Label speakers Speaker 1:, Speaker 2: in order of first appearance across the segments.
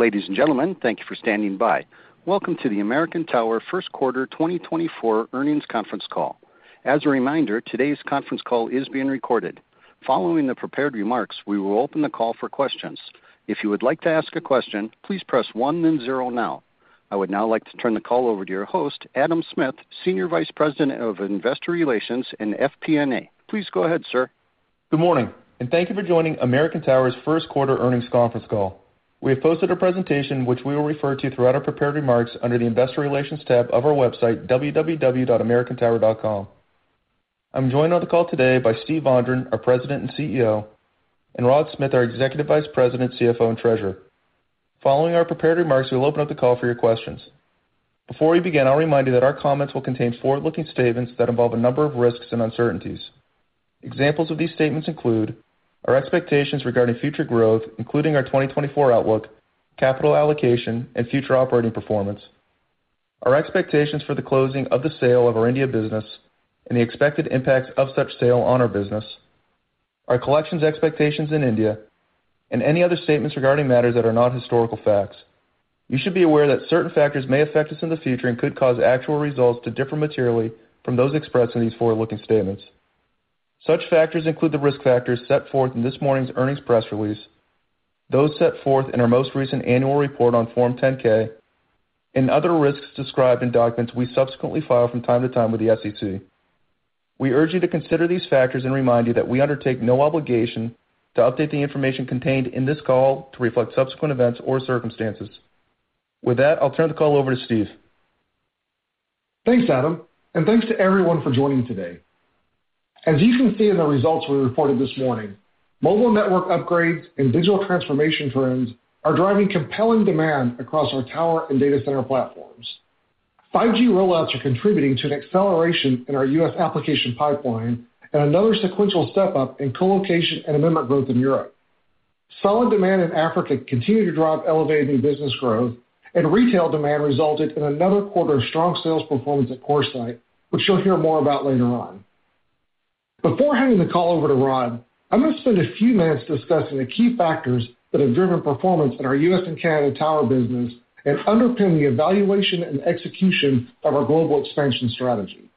Speaker 1: Ladies and gentlemen, thank you for standing by. Welcome to the American Tower Q1 2024 Earnings Conference Call. As a reminder, today's conference call is being recorded. Following the prepared remarks, we will open the call for questions. If you would like to ask a question, please press one then zero now. I would now like to turn the call over to your host, Adam Smith, Senior Vice President of Investor Relations and FP&A. Please go ahead, sir.
Speaker 2: Good morning, and thank you for joining American Tower's Q1 earnings conference call. We have posted a presentation which we will refer to throughout our prepared remarks under the Investor Relations tab of our website, www.americantower.com. I'm joined on the call today by Steve Vondran, our President and CEO, and Rod Smith, our Executive Vice President, CFO, and Treasurer. Following our prepared remarks, we'll open up the call for your questions. Before we begin, I'll remind you that our comments will contain forward-looking statements that involve a number of risks and uncertainties. Examples of these statements include our expectations regarding future growth, including our 2024 outlook, capital allocation, and future operating performance, our expectations for the closing of the sale of our India business and the expected impacts of such sale on our business, our collections expectations in India, and any other statements regarding matters that are not historical facts. You should be aware that certain factors may affect us in the future and could cause actual results to differ materially from those expressed in these forward-looking statements. Such factors include the risk factors set forth in this morning's earnings press release, those set forth in our most recent annual report on Form 10-K, and other risks described in documents we subsequently file from time to time with the SEC. We urge you to consider these factors and remind you that we undertake no obligation to update the information contained in this call to reflect subsequent events or circumstances. With that, I'll turn the call over to Steve.
Speaker 3: Thanks, Adam, and thanks to everyone for joining today. As you can see in the results we reported this morning, mobile network upgrades and digital transformation trends are driving compelling demand across our tower and data center platforms. 5G rollouts are contributing to an acceleration in our U.S. application pipeline and another sequential step up in co-location and amendment growth in Europe. Solid demand in Africa continued to drive elevated new business growth, and retail demand resulted in another quarter of strong sales performance at CoreSite, which you'll hear more about later on. Before handing the call over to Rod, I'm gonna spend a few minutes discussing the key factors that have driven performance in our U.S. and Canada tower business and underpin the evaluation and execution of our global expansion strategy.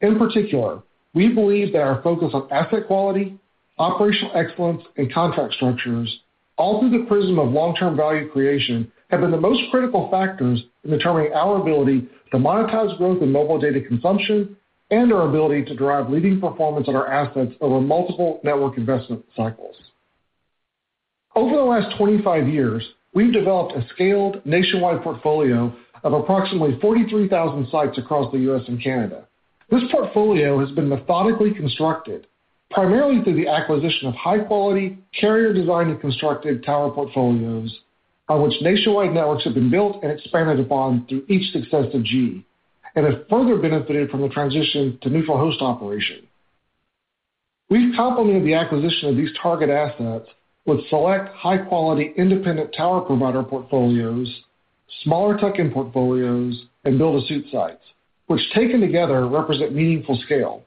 Speaker 3: In particular, we believe that our focus on asset quality, operational excellence, and contract structures, all through the prism of long-term value creation, have been the most critical factors in determining our ability to monetize growth in mobile data consumption and our ability to drive leading performance on our assets over multiple network investment cycles. Over the last 25 years, we've developed a scaled nationwide portfolio of approximately 43,000 sites across the U.S. and Canada. This portfolio has been methodically constructed, primarily through the acquisition of high-quality, carrier-designed and constructed tower portfolios, on which nationwide networks have been built and expanded upon through each successive G, and have further benefited from the transition to neutral host operation. We've complemented the acquisition of these target assets with select high-quality independent tower provider portfolios, smaller tuck-in portfolios, and build-to-suit sites, which, taken together, represent meaningful scale.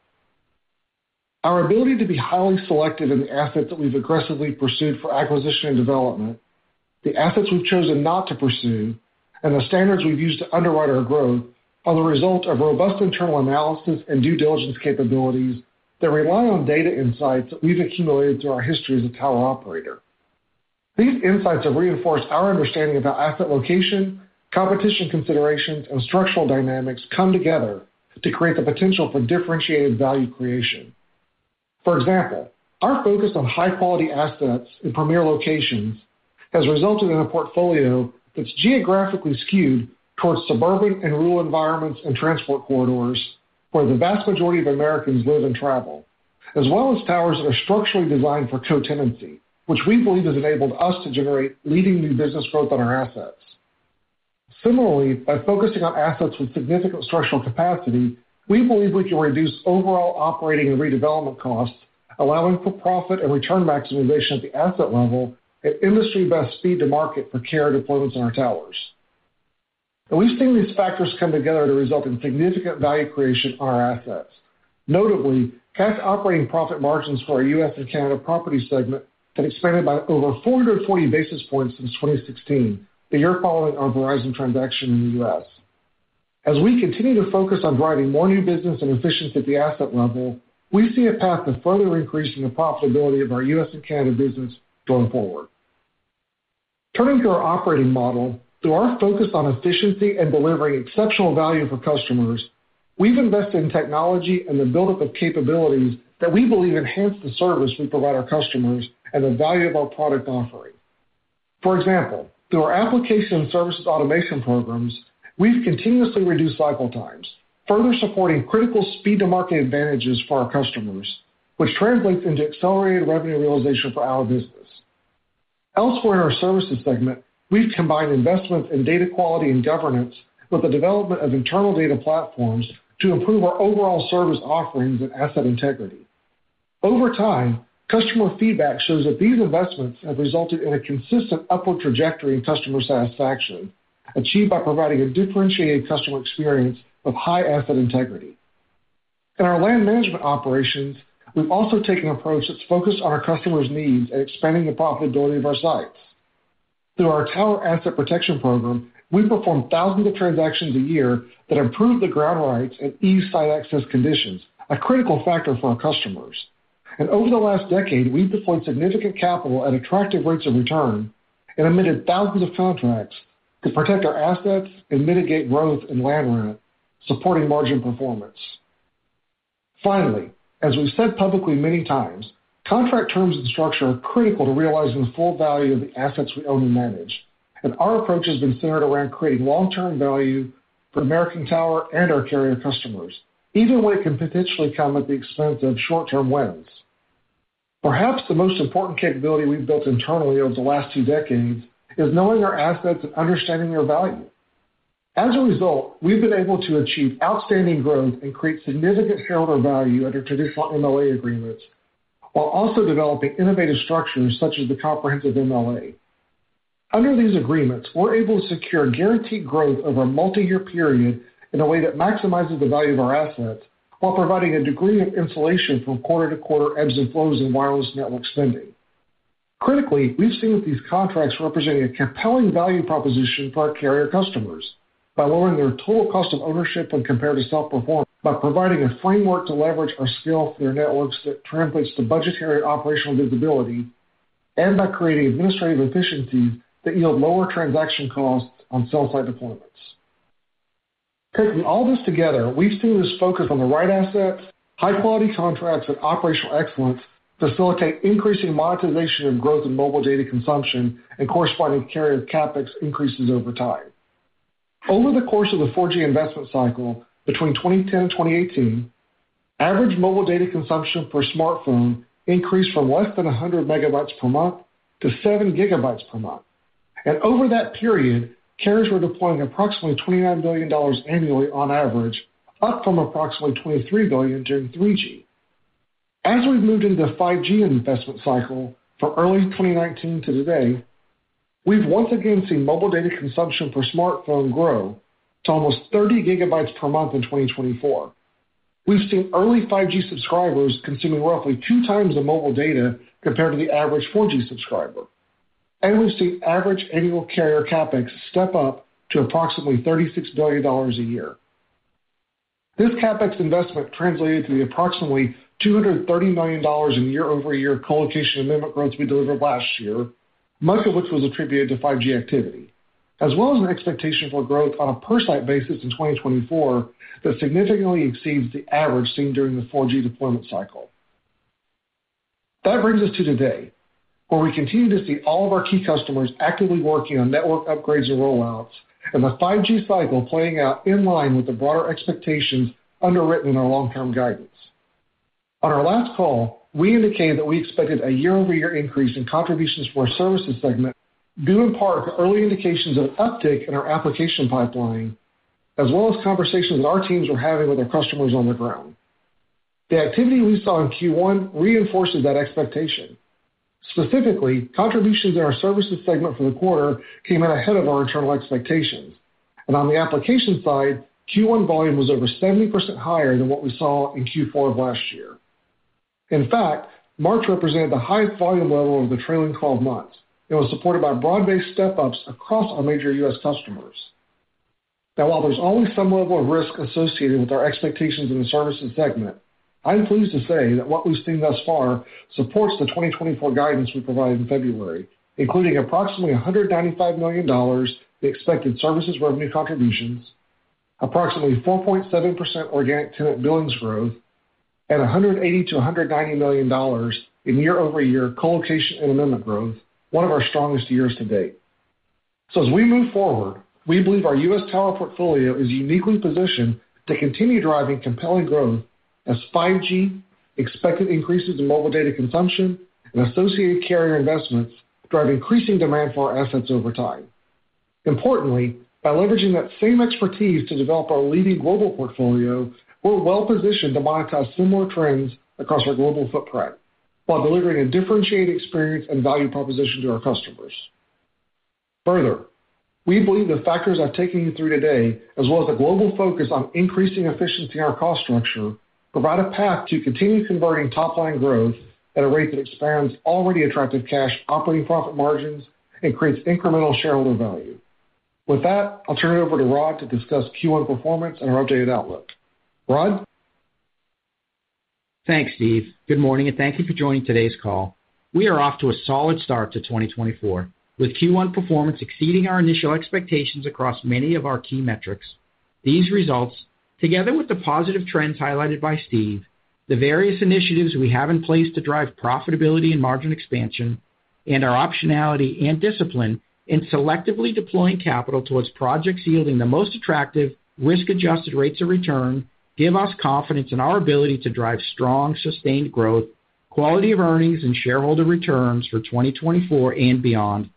Speaker 3: Our ability to be highly selective in the assets that we've aggressively pursued for acquisition and development, the assets we've chosen not to pursue, and the standards we've used to underwrite our growth are the result of robust internal analysis and due diligence capabilities that rely on data insights that we've accumulated through our history as a tower operator. These insights have reinforced our understanding of how asset location, competition considerations, and structural dynamics come together to create the potential for differentiated value creation. For example, our focus on high-quality assets in premier locations has resulted in a portfolio that's geographically skewed towards suburban and rural environments and transport corridors, where the vast majority of Americans live and travel, as well as towers that are structurally designed for co-tenancy, which we believe has enabled us to generate leading new business growth on our assets. Similarly, by focusing on assets with significant structural capacity, we believe we can reduce overall operating and redevelopment costs, allowing for profit and return maximization at the asset level and industry-best speed to market for carrier deployments on our towers. And we think these factors come together to result in significant value creation on our assets. Notably, cash operating profit margins for our U.S. and Canada property segment have expanded by over 440 basis points since 2016, the year following our Verizon transaction in the U.S. As we continue to focus on driving more new business and efficiency at the asset level, we see a path to further increasing the profitability of our U.S. and Canada business going forward. Turning to our operating model, through our focus on efficiency and delivering exceptional value for customers, we've invested in technology and the buildup of capabilities that we believe enhance the service we provide our customers and the value of our product offering. For example, through our application and services automation programs, we've continuously reduced cycle times, further supporting critical speed to market advantages for our customers, which translates into accelerated revenue realization for our business. Elsewhere in our services segment, we've combined investments in data quality and governance with the development of internal data platforms to improve our overall service offerings and asset integrity. Over time, customer feedback shows that these investments have resulted in a consistent upward trajectory in customer satisfaction, achieved by providing a differentiated customer experience of high asset integrity. In our land management operations, we've also taken an approach that's focused on our customers' needs and expanding the profitability of our sites. Through our Tower Asset Protection Program, we perform thousands of transactions a year that improve the ground rights and ease site access conditions, a critical factor for our customers. Over the last decade, we've deployed significant capital at attractive rates of return and emitted thousands of contracts to protect our assets and mitigate growth in land rent, supporting margin performance. Finally, as we've said publicly many times, contract terms and structure are critical to realizing the full value of the assets we own and manage, and our approach has been centered around creating long-term value for American Tower and our carrier customers, even when it can potentially come at the expense of short-term wins. Perhaps the most important capability we've built internally over the last two decades is knowing our assets and understanding their value. As a result, we've been able to achieve outstanding growth and create significant shareholder value under traditional MLA agreements, while also developing innovative structures such as the comprehensive MLA. Under these agreements, we're able to secure guaranteed growth over a multi-year period in a way that maximizes the value of our assets, while providing a degree of insulation from quarter-to-quarter ebbs and flows in wireless network spending. Critically, we've seen these contracts representing a compelling value proposition for our carrier customers by lowering their total cost of ownership when compared to self-perform, by providing a framework to leverage our skill for their networks that translates to budgetary operational visibility, and by creating administrative efficiencies that yield lower transaction costs on cell site deployments. Taking all this together, we've seen this focus on the right assets, high-quality contracts, and operational excellence facilitate increasing monetization and growth in mobile data consumption and corresponding carrier CapEx increases over time. Over the course of the 4G investment cycle, between 2010 and 2018, average mobile data consumption per smartphone increased from less than 100 Mb per month to 7 Gb per month. Over that period, carriers were deploying approximately $29 billion annually on average, up from approximately $23 billion during 3G. As we've moved into the 5G investment cycle from early 2019 to today, we've once again seen mobile data consumption per smartphone grow to almost 30 Gb per month in 2024. We've seen early 5G subscribers consuming roughly two times the mobile data compared to the average 4G subscriber, and we've seen average annual carrier CapEx step up to approximately $36 billion a year. This CapEx investment translated to the approximately $230 million in year-over-year co-location amendment growth we delivered last year, most of which was attributed to 5G activity, as well as an expectation for growth on a per-site basis in 2024 that significantly exceeds the average seen during the 4G deployment cycle. That brings us to today, where we continue to see all of our key customers actively working on network upgrades and rollouts, and the 5G cycle playing out in line with the broader expectations underwritten in our long-term guidance. On our last call, we indicated that we expected a year-over-year increase in contributions to our services segment, due in part to early indications of uptick in our application pipeline, as well as conversations our teams are having with our customers on the ground. The activity we saw in Q1 reinforces that expectation. Specifically, contributions in our services segment for the quarter came in ahead of our internal expectations, and on the application side, Q1 volume was over 70% higher than what we saw in Q4 of last year. In fact, March represented the highest volume level of the trailing twelve months and was supported by broad-based step-ups across our major U.S. customers. Now, while there's always some level of risk associated with our expectations in the services segment, I'm pleased to say that what we've seen this far supports the 2024 guidance we provided in February, including approximately $195 million in expected services revenue contributions, approximately 4.7% organic tenant billings growth, and $180 to 190 million in year-over-year co-location and amendment growth, one of our strongest years to date. As we move forward, we believe our U.S. tower portfolio is uniquely positioned to continue driving compelling growth as 5G expected increases in mobile data consumption and associated carrier investments drive increasing demand for our assets over time. Importantly, by leveraging that same expertise to develop our leading global portfolio, we're well positioned to monetize similar trends across our global footprint, while delivering a differentiated experience and value proposition to our customers. Further, we believe the factors I've taken you through today, as well as a global focus on increasing efficiency in our cost structure, provide a path to continue converting top-line growth at a rate that expands already attractive cash operating profit margins and creates incremental shareholder value. With that, I'll turn it over to Rod to discuss Q1 performance and our updated outlook. Rod?
Speaker 4: Thanks, Steve. Good morning, and thank you for joining today's call. We are off to a solid start to 2024, with Q1 performance exceeding our initial expectations across many of our key metrics. These results, together with the positive trends highlighted by Steve, the various initiatives we have in place to drive profitability and margin expansion, and our optionality and discipline in selectively deploying capital towards projects yielding the most attractive risk-adjusted rates of return, give us confidence in our ability to drive strong, sustained growth, quality of earnings, and shareholder returns for 2024 and beyond.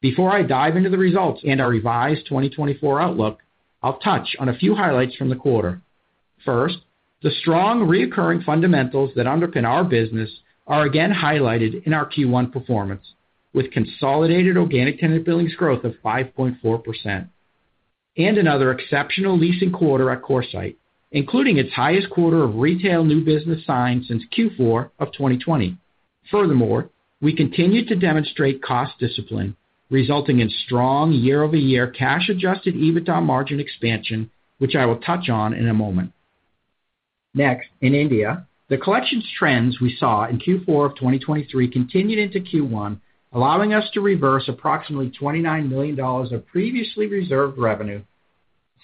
Speaker 4: Before I dive into the results and our revised 2024 outlook, I'll touch on a few highlights from the quarter. First, the strong recurring fundamentals that underpin our business are again highlighted in our Q1 performance, with consolidated organic tenant billings growth of 5.4% and another exceptional leasing quarter at CoreSite, including its highest quarter of retail new business signed since Q4 of 2020. Furthermore, we continued to demonstrate cost discipline, resulting in strong year-over-year cash adjusted EBITDA margin expansion, which I will touch on in a moment. Next, in India, the collections trends we saw in Q4 of 2023 continued into Q1, allowing us to reverse approximately $29 million of previously reserved revenue.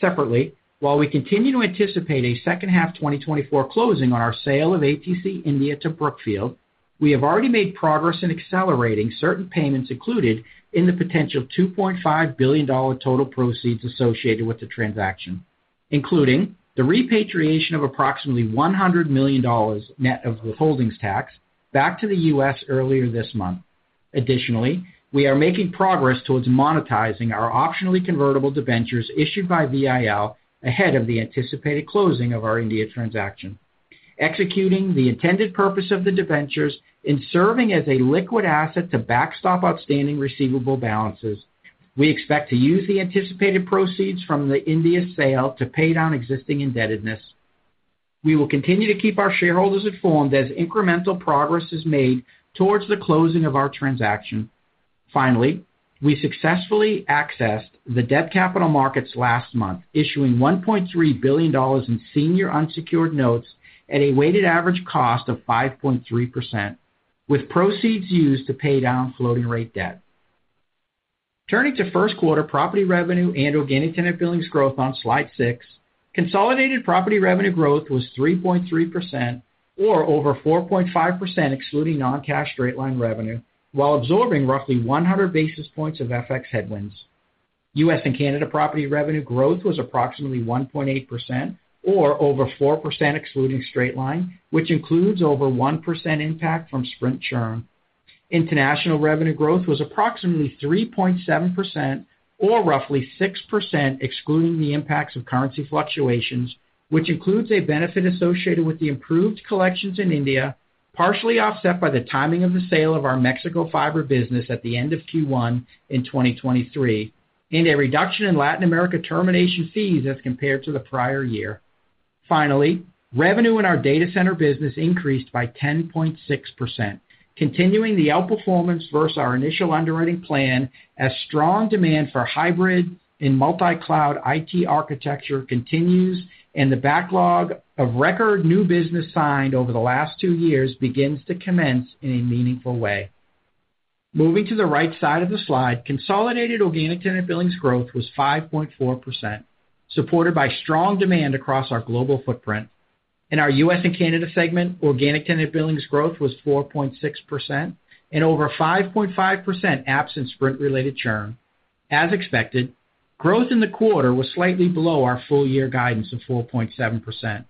Speaker 4: Separately, while we continue to anticipate a H2 2024 closing on our sale of ATC India to Brookfield, we have already made progress in accelerating certain payments included in the potential $2.5 billion total proceeds associated with the transaction, including the repatriation of approximately $100 million net of withholding tax back to the U.S. earlier this month. Additionally, we are making progress towards monetizing our optionally convertible debentures issued by VIL ahead of the anticipated closing of our India transaction, executing the intended purpose of the debentures in serving as a liquid asset to backstop outstanding receivable balances. We expect to use the anticipated proceeds from the India sale to pay down existing indebtedness. We will continue to keep our shareholders informed as incremental progress is made towards the closing of our transaction. Finally, we successfully accessed the debt capital markets last month, issuing $1.3 billion in senior unsecured notes at a weighted average cost of 5.3%, with proceeds used to pay down floating rate debt. Turning to Q1 property revenue and organic tenant billings growth on slide six, consolidated property revenue growth was 3.3%, or over 4.5%, excluding non-cash straight line revenue, while absorbing roughly 100 basis points of FX headwinds. U.S. and Canada property revenue growth was approximately 1.8%, or over 4% excluding straight line, which includes over 1% impact from Sprint churn. International revenue growth was approximately 3.7%, or roughly 6%, excluding the impacts of currency fluctuations, which includes a benefit associated with the improved collections in India, partially offset by the timing of the sale of our Mexico fiber business at the end of Q1 in 2023, and a reduction in Latin America termination fees as compared to the prior year. Finally, revenue in our data center business increased by 10.6%, continuing the outperformance versus our initial underwriting plan, as strong demand for hybrid and multi-cloud IT architecture continues, and the backlog of record new business signed over the last two years begins to commence in a meaningful way. Moving to the right side of the slide, consolidated organic tenant billings growth was 5.4%, supported by strong demand across our global footprint. In our U.S. and Canada segment, organic tenant billings growth was 4.6% and over 5.5% absent Sprint-related churn. As expected, growth in the quarter was slightly below our full year guidance of 4.7%.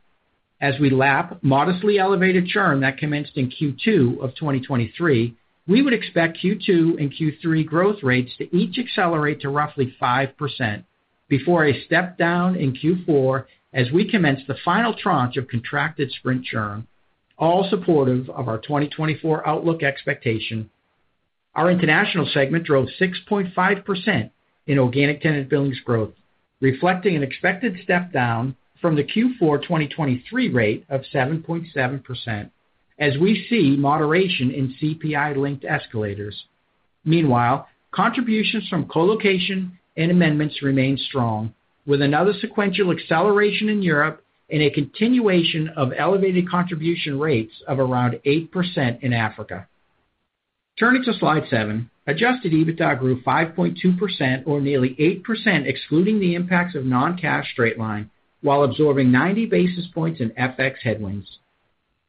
Speaker 4: As we lap modestly elevated churn that commenced in Q2 of 2023, we would expect Q2 and Q3 growth rates to each accelerate to roughly 5% before a step down in Q4 as we commence the final tranche of contracted Sprint churn, all supportive of our 2024 outlook expectation. Our international segment drove 6.5% in organic tenant billings growth, reflecting an expected step down from the Q4 2023 rate of 7.7%, as we see moderation in CPI-linked escalators. Meanwhile, contributions from co-location and amendments remain strong, with another sequential acceleration in Europe and a continuation of elevated contribution rates of around 8% in Africa. Turning to slide seven, adjusted EBITDA grew 5.2%, or nearly 8%, excluding the impacts of non-cash straight line, while absorbing 90 basis points in FX headwinds.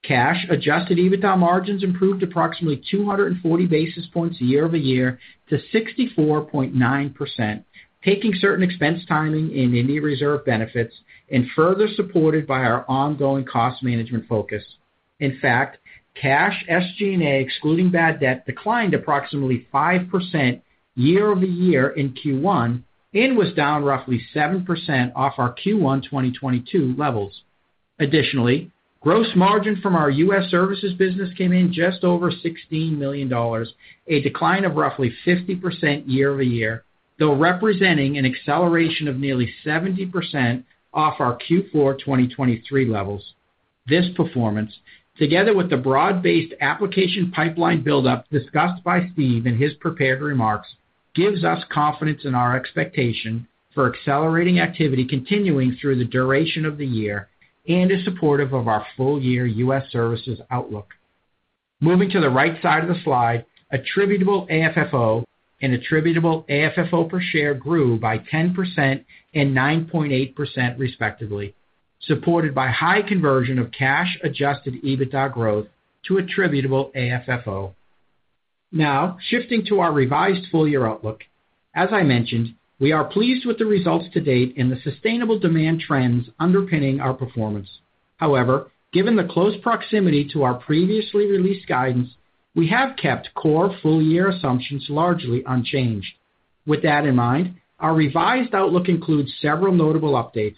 Speaker 4: Cash adjusted EBITDA margins improved approximately 240 basis points year-over-year to 64.9%, taking certain expense timing in India reserve benefits and further supported by our ongoing cost management focus. In fact, cash SG&A, excluding bad debt, declined approximately 5% year-over-year in Q1 and was down roughly 7% off our Q1 2022 levels. Additionally, gross margin from our U.S. services business came in just over $16 million, a decline of roughly 50% year-over-year, though representing an acceleration of nearly 70% off our Q4 2023 levels. This performance, together with the broad-based application pipeline buildup discussed by Steve in his prepared remarks, gives us confidence in our expectation for accelerating activity continuing through the duration of the year and is supportive of our full-year U.S. services outlook. Moving to the right side of the slide, attributable AFFO and attributable AFFO per share grew by 10% and 9.8%, respectively, supported by high conversion of cash-adjusted EBITDA growth to attributable AFFO. Now, shifting to our revised full-year outlook. As I mentioned, we are pleased with the results to date and the sustainable demand trends underpinning our performance. However, given the close proximity to our previously released guidance, we have kept core full-year assumptions largely unchanged. With that in mind, our revised outlook includes several notable updates.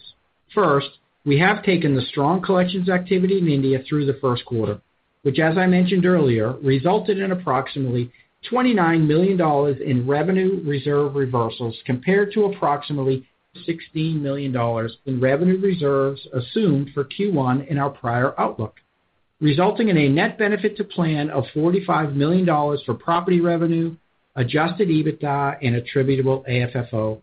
Speaker 4: First, we have taken the strong collections activity in India through the Q1, which, as I mentioned earlier, resulted in approximately $29 million in revenue reserve reversals compared to approximately $16 million in revenue reserves assumed for Q1 in our prior outlook, resulting in a net benefit to plan of $45 million for property revenue, adjusted EBITDA, and attributable AFFO.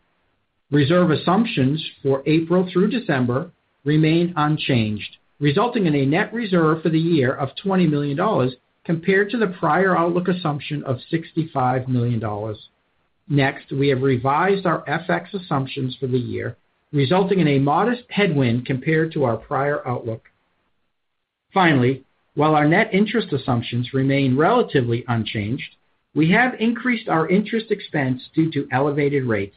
Speaker 4: Reserve assumptions for April through December remain unchanged, resulting in a net reserve for the year of $20 million compared to the prior outlook assumption of $65 million. Next, we have revised our FX assumptions for the year, resulting in a modest headwind compared to our prior outlook. Finally, while our net interest assumptions remain relatively unchanged, we have increased our interest expense due to elevated rates,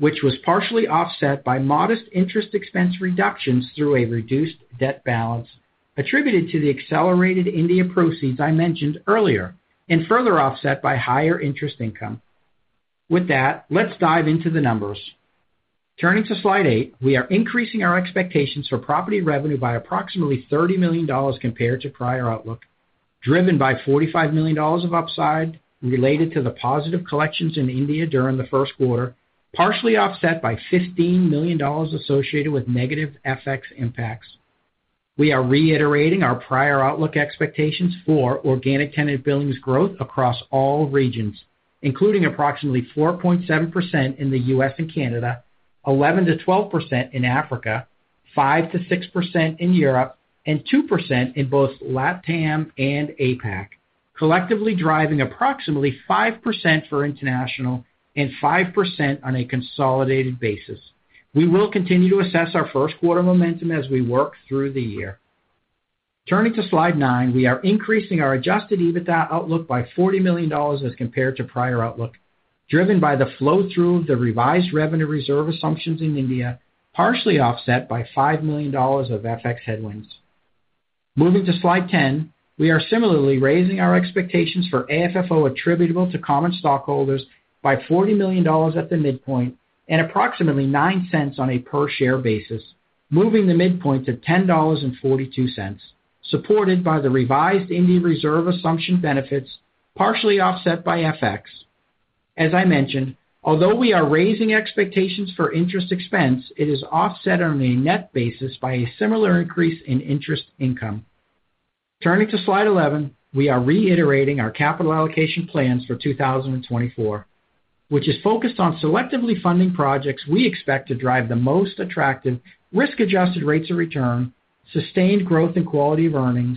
Speaker 4: which was partially offset by modest interest expense reductions through a reduced debt balance attributed to the accelerated India proceeds I mentioned earlier, and further offset by higher interest income. With that, let's dive into the numbers. Turning to Slide eight, we are increasing our expectations for property revenue by approximately $30 million compared to prior outlook, driven by $45 million of upside related to the positive collections in India during the Q1, partially offset by $15 million associated with negative FX impacts. We are reiterating our prior outlook expectations for organic tenant billings growth across all regions, including approximately 4.7% in the U.S. and Canada, 11%-12% in Africa, 5%-6% in Europe, and 2% in both LATAM and APAC, collectively driving approximately 5% for international and 5% on a consolidated basis. We will continue to assess our Q1 momentum as we work through the year. Turning to Slide nine, we are increasing our adjusted EBITDA outlook by $40 million as compared to prior outlook, driven by the flow through of the revised revenue reserve assumptions in India, partially offset by $5 million of FX headwinds. Moving to Slide 10, we are similarly raising our expectations for AFFO attributable to common stockholders by $40 million at the midpoint and approximately $0.09 on a per-share basis, moving the midpoint to $10.42, supported by the revised India reserve assumption benefits, partially offset by FX. As I mentioned, although we are raising expectations for interest expense, it is offset on a net basis by a similar increase in interest income. Turning to Slide 11, we are reiterating our capital allocation plans for 2024, which is focused on selectively funding projects we expect to drive the most attractive risk-adjusted rates of return, sustained growth and quality of earnings,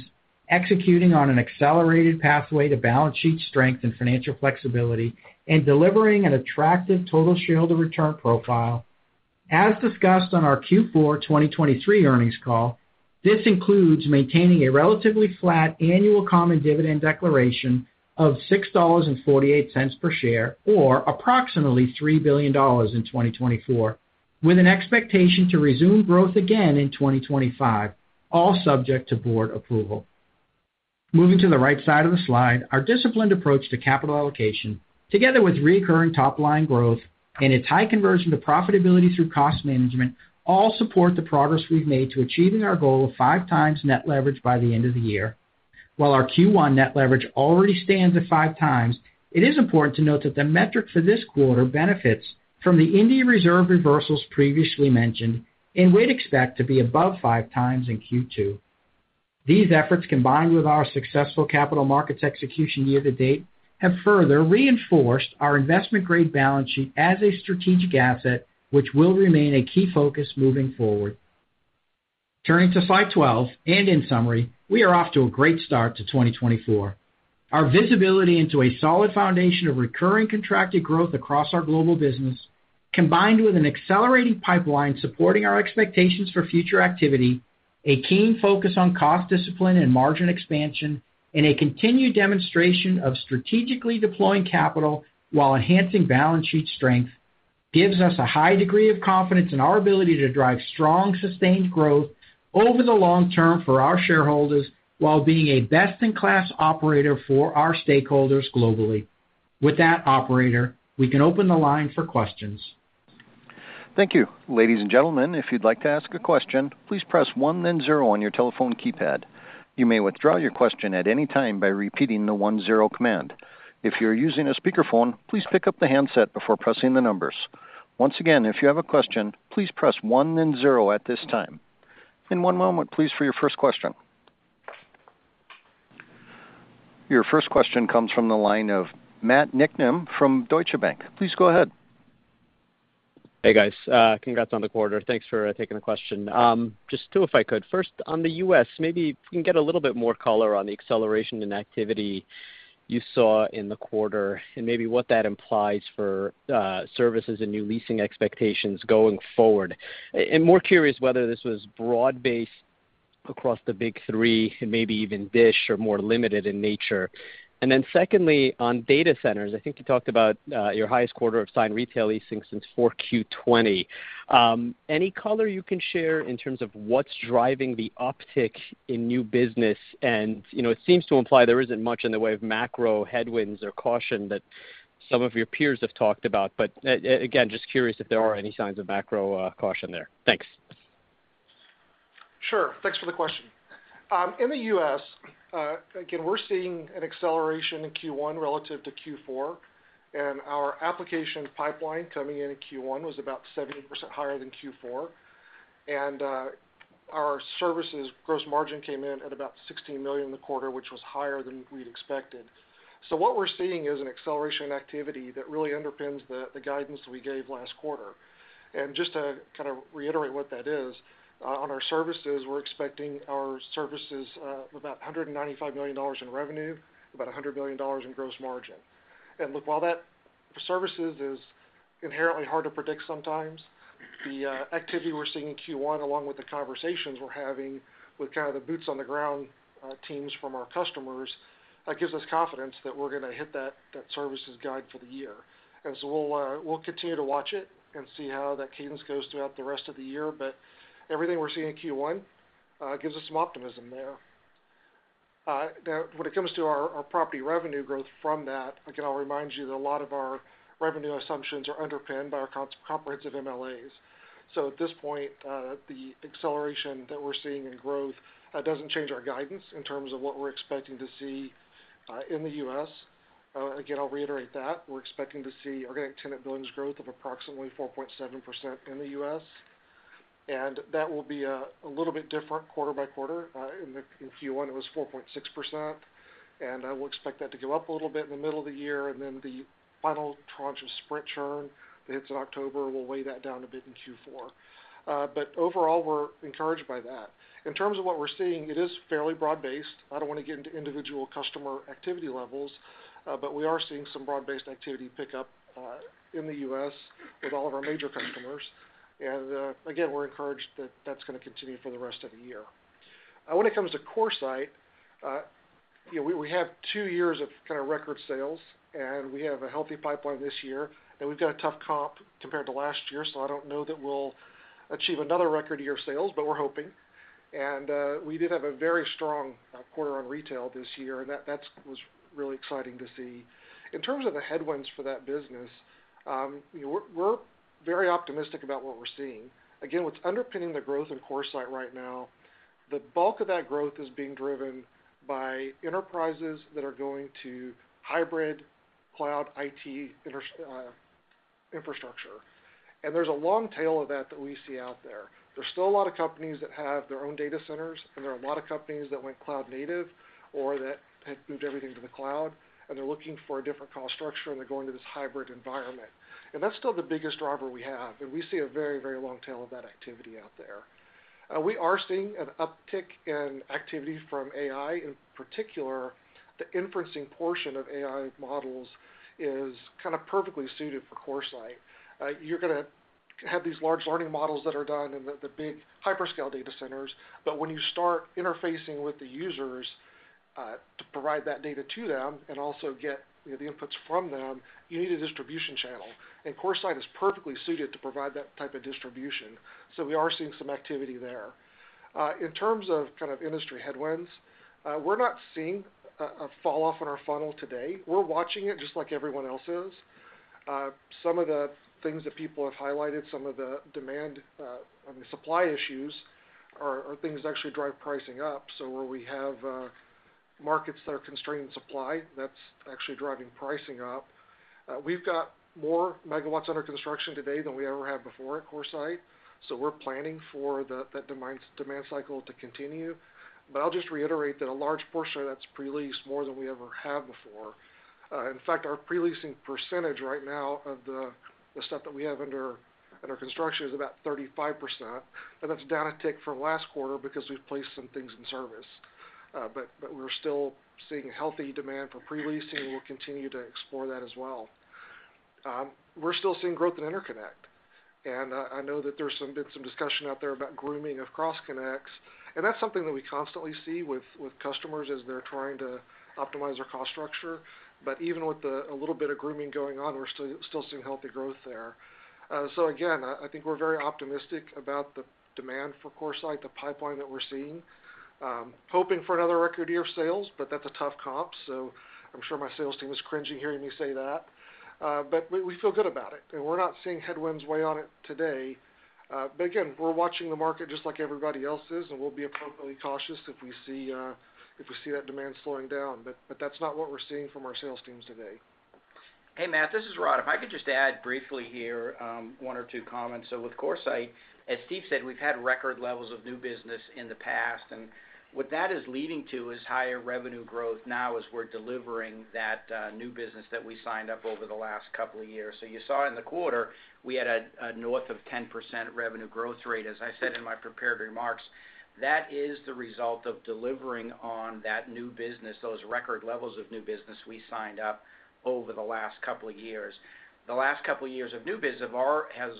Speaker 4: executing on an accelerated pathway to balance sheet strength and financial flexibility, and delivering an attractive total shareholder return profile. As discussed on our Q4 2023 earnings call, this includes maintaining a relatively flat annual common dividend declaration of $6.48 per share, or approximately $3 billion in 2024, with an expectation to resume growth again in 2025, all subject to board approval. Moving to the right side of the slide, our disciplined approach to capital allocation, together with recurring top line growth and its high conversion to profitability through cost management, all support the progress we've made to achieving our goal of 5x net leverage by the end of the year. While our Q1 net leverage already stands at 5x, it is important to note that the metric for this quarter benefits from the India reserve reversals previously mentioned, and we'd expect to be above 5x in Q2. These efforts, combined with our successful capital markets execution year to date, have further reinforced our investment-grade balance sheet as a strategic asset, which will remain a key focus moving forward. Turning to Slide 12, in summary, we are off to a great start to 2024. Our visibility into a solid foundation of recurring contracted growth across our global business, combined with an accelerating pipeline supporting our expectations for future activity, a keen focus on cost discipline and margin expansion, and a continued demonstration of strategically deploying capital while enhancing balance sheet strength, gives us a high degree of confidence in our ability to drive strong, sustained growth over the long term for our shareholders, while being a best-in-class operator for our stakeholders globally. With that, operator, we can open the line for questions.
Speaker 1: Thank you. Ladies and gentlemen, if you'd like to ask a question, please press one, then zero on your telephone keypad. You may withdraw your question at any time by repeating the one-zero command. If you're using a speakerphone, please pick up the handset before pressing the numbers. Once again, if you have a question, please press one, then zero at this time. In one moment, please, for your first question. Your first question comes from the line of Matt Niknam from Deutsche Bank. Please go ahead.
Speaker 5: Hey, guys. Congrats on the quarter. Thanks for taking the question. Just two, if I could. First, on the U.S., maybe if you can get a little bit more color on the acceleration in activity you saw in the quarter and maybe what that implies for services and new leasing expectations going forward. And more curious whether this was broad-based across the big three and maybe even Dish or more limited in nature. And then secondly, on data centers, I think you talked about your highest quarter of signed retail leasing since 4Q 2020. Any color you can share in terms of what's driving the uptick in new business? And, you know, it seems to imply there isn't much in the way of macro headwinds or caution that... Some of your peers have talked about, but, again, just curious if there are any signs of macro caution there? Thanks.
Speaker 3: Sure. Thanks for the question. In the U.S., again, we're seeing an acceleration in Q1 relative to Q4, and our application pipeline coming in in Q1 was about 70% higher than Q4. And our services gross margin came in at about $16 million in the quarter, which was higher than we'd expected. So what we're seeing is an acceleration in activity that really underpins the guidance that we gave last quarter. And just to kind of reiterate what that is, on our services, we're expecting about $195 million in revenue, about $100 million in gross margin. And look, while that services is inherently hard to predict sometimes, the activity we're seeing in Q1, along with the conversations we're having with kind of the boots on the ground teams from our customers, that gives us confidence that we're gonna hit that services guide for the year. And so we'll continue to watch it and see how that cadence goes throughout the rest of the year, but everything we're seeing in Q1 gives us some optimism there. Now, when it comes to our property revenue growth from that, again, I'll remind you that a lot of our revenue assumptions are underpinned by our comprehensive MLAs. So at this point, the acceleration that we're seeing in growth doesn't change our guidance in terms of what we're expecting to see in the U.S. Again, I'll reiterate that. We're expecting to see organic tenant billings growth of approximately 4.7% in the U.S., and that will be a little bit different quarter-by-quarter. In Q1, it was 4.6%, and we'll expect that to go up a little bit in the middle of the year, and then the final tranche of Sprint churn that hits in October will weigh that down a bit in Q4. But overall, we're encouraged by that. In terms of what we're seeing, it is fairly broad-based. I don't want to get into individual customer activity levels, but we are seeing some broad-based activity pick up in the U.S. with all of our major customers. And again, we're encouraged that, that's gonna continue for the rest of the year. When it comes to CoreSite, you know, we have two years of kind of record sales, and we have a healthy pipeline this year, and we've got a tough comp compared to last year, so I don't know that we'll achieve another record year of sales, but we're hoping. And we did have a very strong quarter on retail this year, and that, that's was really exciting to see. In terms of the headwinds for that business, you know, we're very optimistic about what we're seeing. Again, what's underpinning the growth in CoreSite right now, the bulk of that growth is being driven by enterprises that are going to hybrid cloud IT infrastructure. And there's a long tail of that that we see out there. There's still a lot of companies that have their own data centers, and there are a lot of companies that went cloud native or that had moved everything to the cloud, and they're looking for a different cost structure, and they're going to this hybrid environment. That's still the biggest driver we have, and we see a very, very long tail of that activity out there. We are seeing an uptick in activity from AI. In particular, the inferencing portion of AI models is kind of perfectly suited for CoreSite. You're gonna have these large learning models that are done in the big hyperscale data centers, but when you start interfacing with the users, to provide that data to them and also get, you know, the inputs from them, you need a distribution channel, and CoreSite is perfectly suited to provide that type of distribution. So we are seeing some activity there. In terms of kind of industry headwinds, we're not seeing a falloff in our funnel today. We're watching it just like everyone else is. Some of the things that people have highlighted, some of the demand, I mean, supply issues are things that actually drive pricing up. So where we have markets that are constrained in supply, that's actually driving pricing up. We've got more megawatts under construction today than we ever have before at CoreSite, so we're planning for that demand cycle to continue. But I'll just reiterate that a large portion of that's pre-leased more than we ever have before. In fact, our pre-leasing percentage right now of the stuff that we have under construction is about 35%, and that's down a tick from last quarter because we've placed some things in service. But we're still seeing healthy demand for pre-leasing, and we'll continue to explore that as well. We're still seeing growth in interconnect, and I know that there's been some discussion out there about grooming of cross connects, and that's something that we constantly see with customers as they're trying to optimize their cost structure. But even with a little bit of grooming going on, we're still seeing healthy growth there. So again, I think we're very optimistic about the demand for CoreSite, the pipeline that we're seeing. Hoping for another record year of sales, but that's a tough comp, so I'm sure my sales team is cringing hearing me say that. But we feel good about it, and we're not seeing headwinds weigh on it today. But again, we're watching the market just like everybody else is, and we'll be appropriately cautious if we see that demand slowing down. But that's not what we're seeing from our sales teams today.
Speaker 4: Hey, Matt, this is Rod. If I could just add briefly here, one or two comments. So with CoreSite, as Steve said, we've had record levels of new business in the past, and what that is leading to is higher revenue growth now as we're delivering that new business that we signed up over the last couple of years. So you saw in the quarter, we had north of 10% revenue growth rate. As I said in my prepared remarks, that is the result of delivering on that new business, those record levels of new business we signed up over the last couple of years. The last couple of years of new business has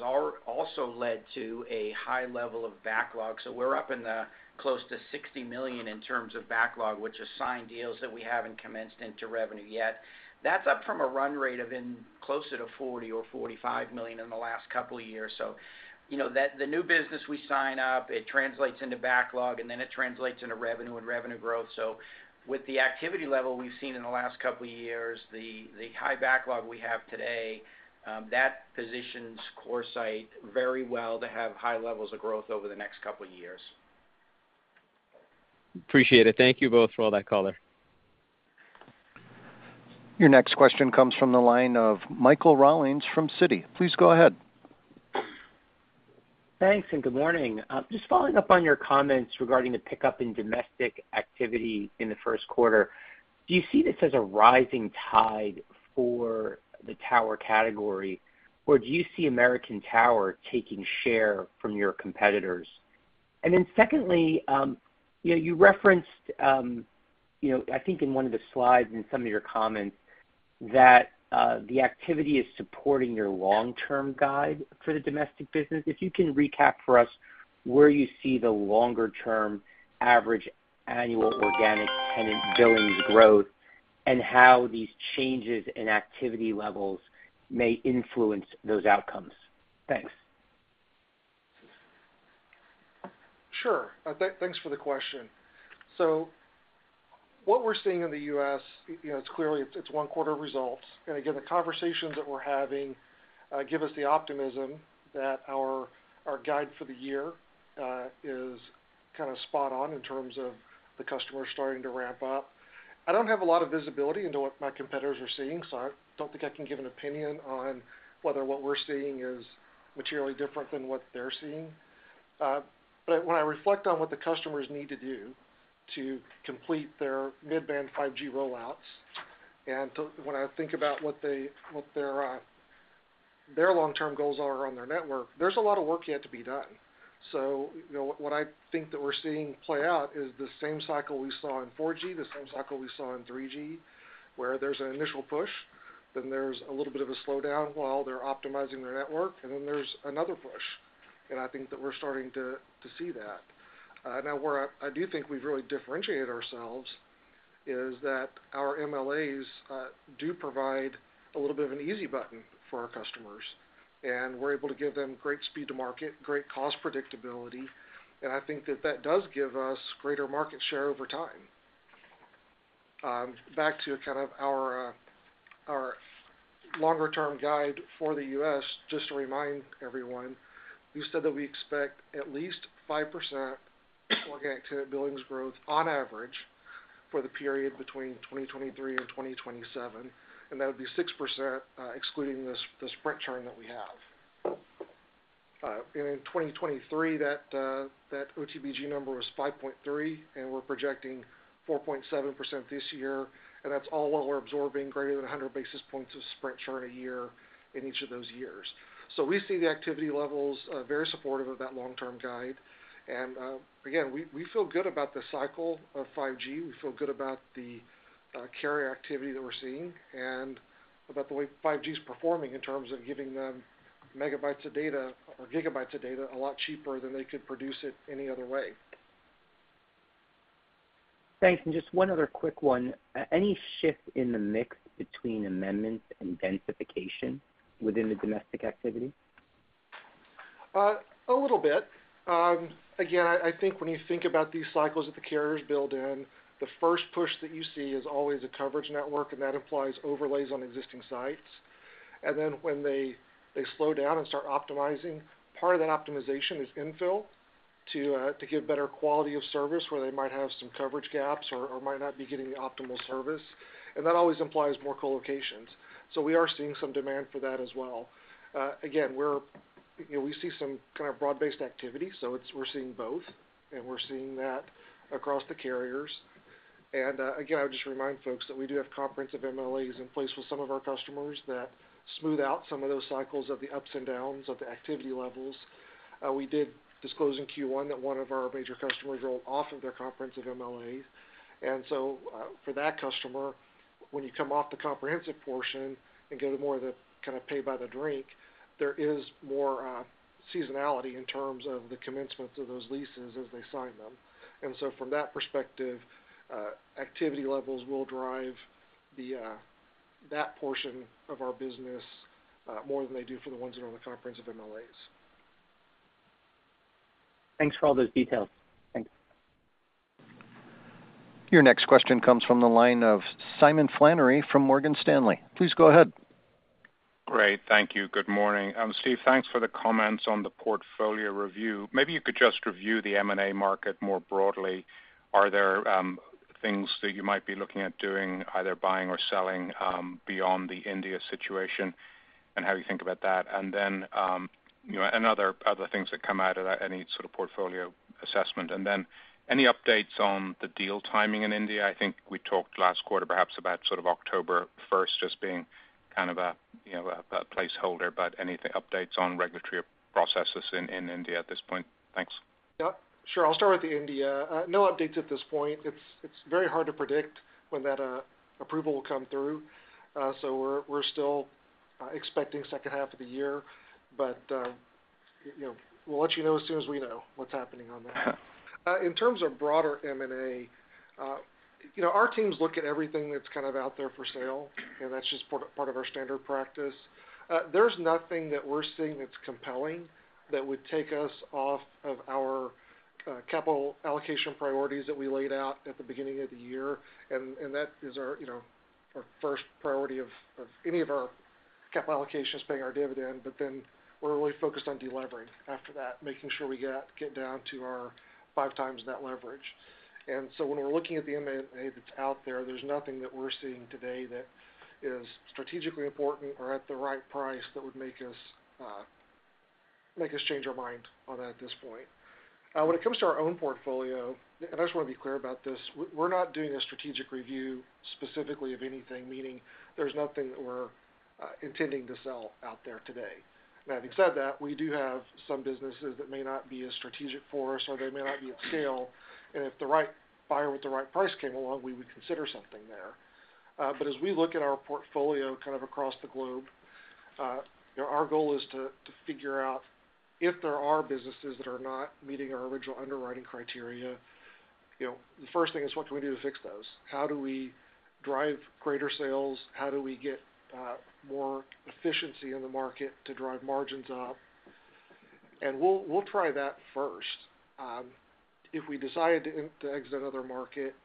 Speaker 4: also led to a high level of backlogs, so we're up in the close to $60 million in terms of backlog, which is signed deals that we haven't commenced into revenue yet. That's up from a run rate of in closer to $40 million or $45 million in the last couple of years. So you know, that the new business we sign up, it translates into backlog, and then it translates into revenue and revenue growth. So with the activity level we've seen in the last couple of years, the high backlog we have today, that positions CoreSite very well to have high levels of growth over the next couple of years.
Speaker 5: Appreciate it. Thank you both for all that color.
Speaker 1: Your next question comes from the line of Michael Rollins from Citi. Please go ahead.
Speaker 6: Thanks, and good morning. Just following up on your comments regarding the pickup in domestic activity in the Q1, do you see this as a rising tide for the tower category, or do you see American Tower taking share from your competitors? And then secondly, you know, you referenced, you know, I think in one of the slides in some of your comments, that, the activity is supporting your long-term guide for the domestic business. If you can recap for us where you see the longer-term average annual organic tenant billings growth and how these changes in activity levels may influence those outcomes? Thanks.
Speaker 3: Sure. Thanks for the question. So what we're seeing in the U.S., you know, it's clearly, it's one quarter of results. And again, the conversations that we're having give us the optimism that our guide for the year is kind of spot on in terms of the customers starting to ramp up. I don't have a lot of visibility into what my competitors are seeing, so I don't think I can give an opinion on whether what we're seeing is materially different than what they're seeing. But when I reflect on what the customers need to do to complete their mid-band 5G rollouts, and when I think about what their long-term goals are on their network, there's a lot of work yet to be done. So you know, what I think that we're seeing play out is the same cycle we saw in 4G, the same cycle we saw in 3G, where there's an initial push, then there's a little bit of a slowdown while they're optimizing their network, and then there's another push. And I think that we're starting to see that. Now where I do think we've really differentiated ourselves is that our MLAs do provide a little bit of an easy button for our customers, and we're able to give them great speed to market, great cost predictability, and I think that that does give us greater market share over time. Back to kind of our, our longer-term guide for the U.S., just to remind everyone, we said that we expect at least 5% organic activity billings growth on average for the period between 2023 and 2027, and that would be 6%, excluding the Sprint churn that we have. And in 2023, that, that OTBG number was 5.3, and we're projecting 4.7% this year, and that's all while we're absorbing greater than 100 basis points of Sprint churn a year in each of those years. So we see the activity levels very supportive of that long-term guide. And, again, we, we feel good about the cycle of 5G. We feel good about the carrier activity that we're seeing and about the way 5G is performing in terms of giving them megabites of data or gigabites of data, a lot cheaper than they could produce it any other way.
Speaker 6: Thanks. And just one other quick one. Any shift in the mix between amendments and densification within the domestic activity?
Speaker 3: A little bit. Again, I think when you think about these cycles that the carriers build in, the first push that you see is always a coverage network, and that implies overlays on existing sites. Then when they slow down and start optimizing, part of that optimization is infill to give better quality of service, where they might have some coverage gaps or might not be getting the optimal service. And that always implies more co-locations. So we are seeing some demand for that as well. Again, we're, you know, we see some kind of broad-based activity, so it's, we're seeing both, and we're seeing that across the carriers. Again, I would just remind folks that we do have comprehensive MLAs in place with some of our customers that smooth out some of those cycles of the ups and downs of the activity levels. We did disclose in Q1 that one of our major customers rolled off of their comprehensive MLA. So, for that customer, when you come off the comprehensive portion and go to more of the kind of pay by the drink, there is more seasonality in terms of the commencement of those leases as they sign them. So from that perspective, activity levels will drive that portion of our business more than they do for the ones that are on the comprehensive MLAs.
Speaker 6: Thanks for all those details. Thank you.
Speaker 1: Your next question comes from the line of Simon Flannery from Morgan Stanley. Please go ahead.
Speaker 7: Great. Thank you. Good morning. Steve, thanks for the comments on the portfolio review. Maybe you could just review the M&A market more broadly. Are there, things that you might be looking at doing, either buying or selling, beyond the India situation, and how do you think about that? And then, you know, and other things that come out of that, any sort of portfolio assessment. And then, any updates on the deal timing in India? I think we talked last quarter, perhaps about sort of October first, just being kind of a, you know, a placeholder, but any updates on regulatory processes in India at this point? Thanks.
Speaker 3: Yeah, sure. I'll start with the India. No updates at this point. It's very hard to predict when that approval will come through. So we're still expecting H2 of the year, but you know, we'll let you know as soon as we know what's happening on that. In terms of broader M&A, you know, our teams look at everything that's kind of out there for sale, and that's just part of our standard practice. There's nothing that we're seeing that's compelling that would take us off of our capital allocation priorities that we laid out at the beginning of the year, and that is our first priority of any of our capital allocations, paying our dividend. But then we're really focused on delevering after that, making sure we get down to our 5x net leverage. And so when we're looking at the M&A that's out there, there's nothing that we're seeing today that is strategically important or at the right price that would make us change our mind on that at this point. When it comes to our own portfolio, and I just wanna be clear about this, we're not doing a strategic review specifically of anything, meaning there's nothing that we're intending to sell out there today. Now, having said that, we do have some businesses that may not be as strategic for us, or they may not be at scale, and if the right buyer with the right price came along, we would consider something there. But as we look at our portfolio kind of across the globe, you know, our goal is to, to figure out if there are businesses that are not meeting our original underwriting criteria, you know, the first thing is what can we do to fix those? How do we drive greater sales? How do we get, more efficiency in the market to drive margins up? And we'll, we'll try that first. If we decide to, to exit another market,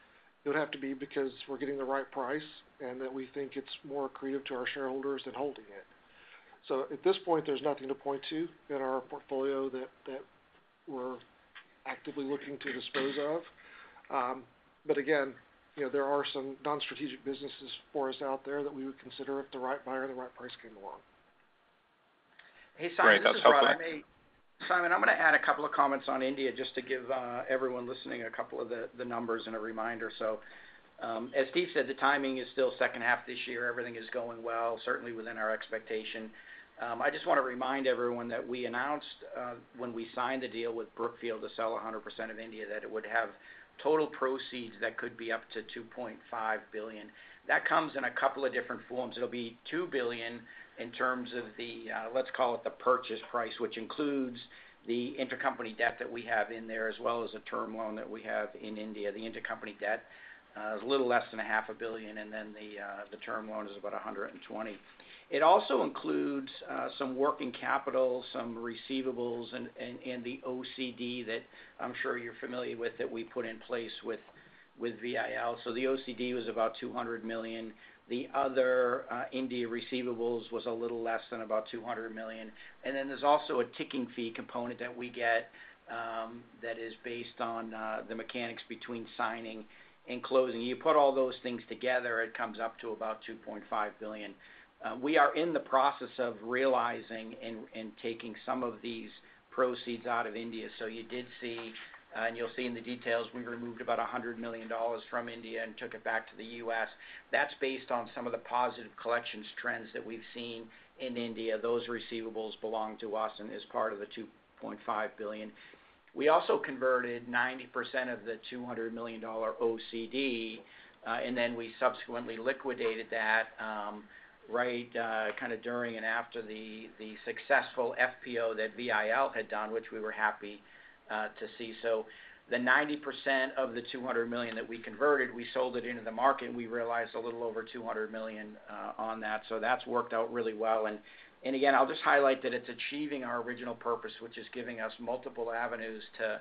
Speaker 3: it would have to be because we're getting the right price and that we think it's more accretive to our shareholders than holding it. So at this point, there's nothing to point to in our portfolio that, that we're actively looking to dispose of. But again, you know, there are some non-strategic businesses for us out there that we would consider if the right buyer and the right price came along.
Speaker 4: Hey, Simon, this is Rod. I may
Speaker 7: Great. That's helpful.
Speaker 4: Simon, I'm gonna add a couple of comments on India, just to give everyone listening a couple of the numbers and a reminder. So, as Steve said, the timing is still H2 this year. Everything is going well, certainly within our expectation. I just wanna remind everyone that we announced when we signed the deal with Brookfield to sell 100% of India, that it would have total proceeds that could be up to $2.5 billion. That comes in a couple of different forms. It'll be $2 billion in terms of the, let's call it the purchase price, which includes the intercompany debt that we have in there, as well as a term loan that we have in India. The intercompany debt is a little less than $500 million, and then the term loan is about $120 million. It also includes some working capital, some receivables, and the OCD that I'm sure you're familiar with, that we put in place with VIL. So the OCD was about $200 million. The other India receivables was a little less than about $200 million. And then there's also a ticking fee component that we get, that is based on the mechanics between signing and closing. You put all those things together, it comes up to about $2.5 billion. We are in the process of realizing and taking some of these proceeds out of India. So you did see, and you'll see in the details, we removed about $100 million from India and took it back to the U.S. That's based on some of the positive collections trends that we've seen in India. Those receivables belong to us and is part of the $2.5 billion. We also converted 90% of the $200 million OCD, and then we subsequently liquidated that, right, kind of during and after the successful FPO that VIL had done, which we were happy to see. So the 90% of the $200 million that we converted, we sold it into the market, and we realized a little over $200 million on that. So that's worked out really well. And again, I'll just highlight that it's achieving our original purpose, which is giving us multiple avenues to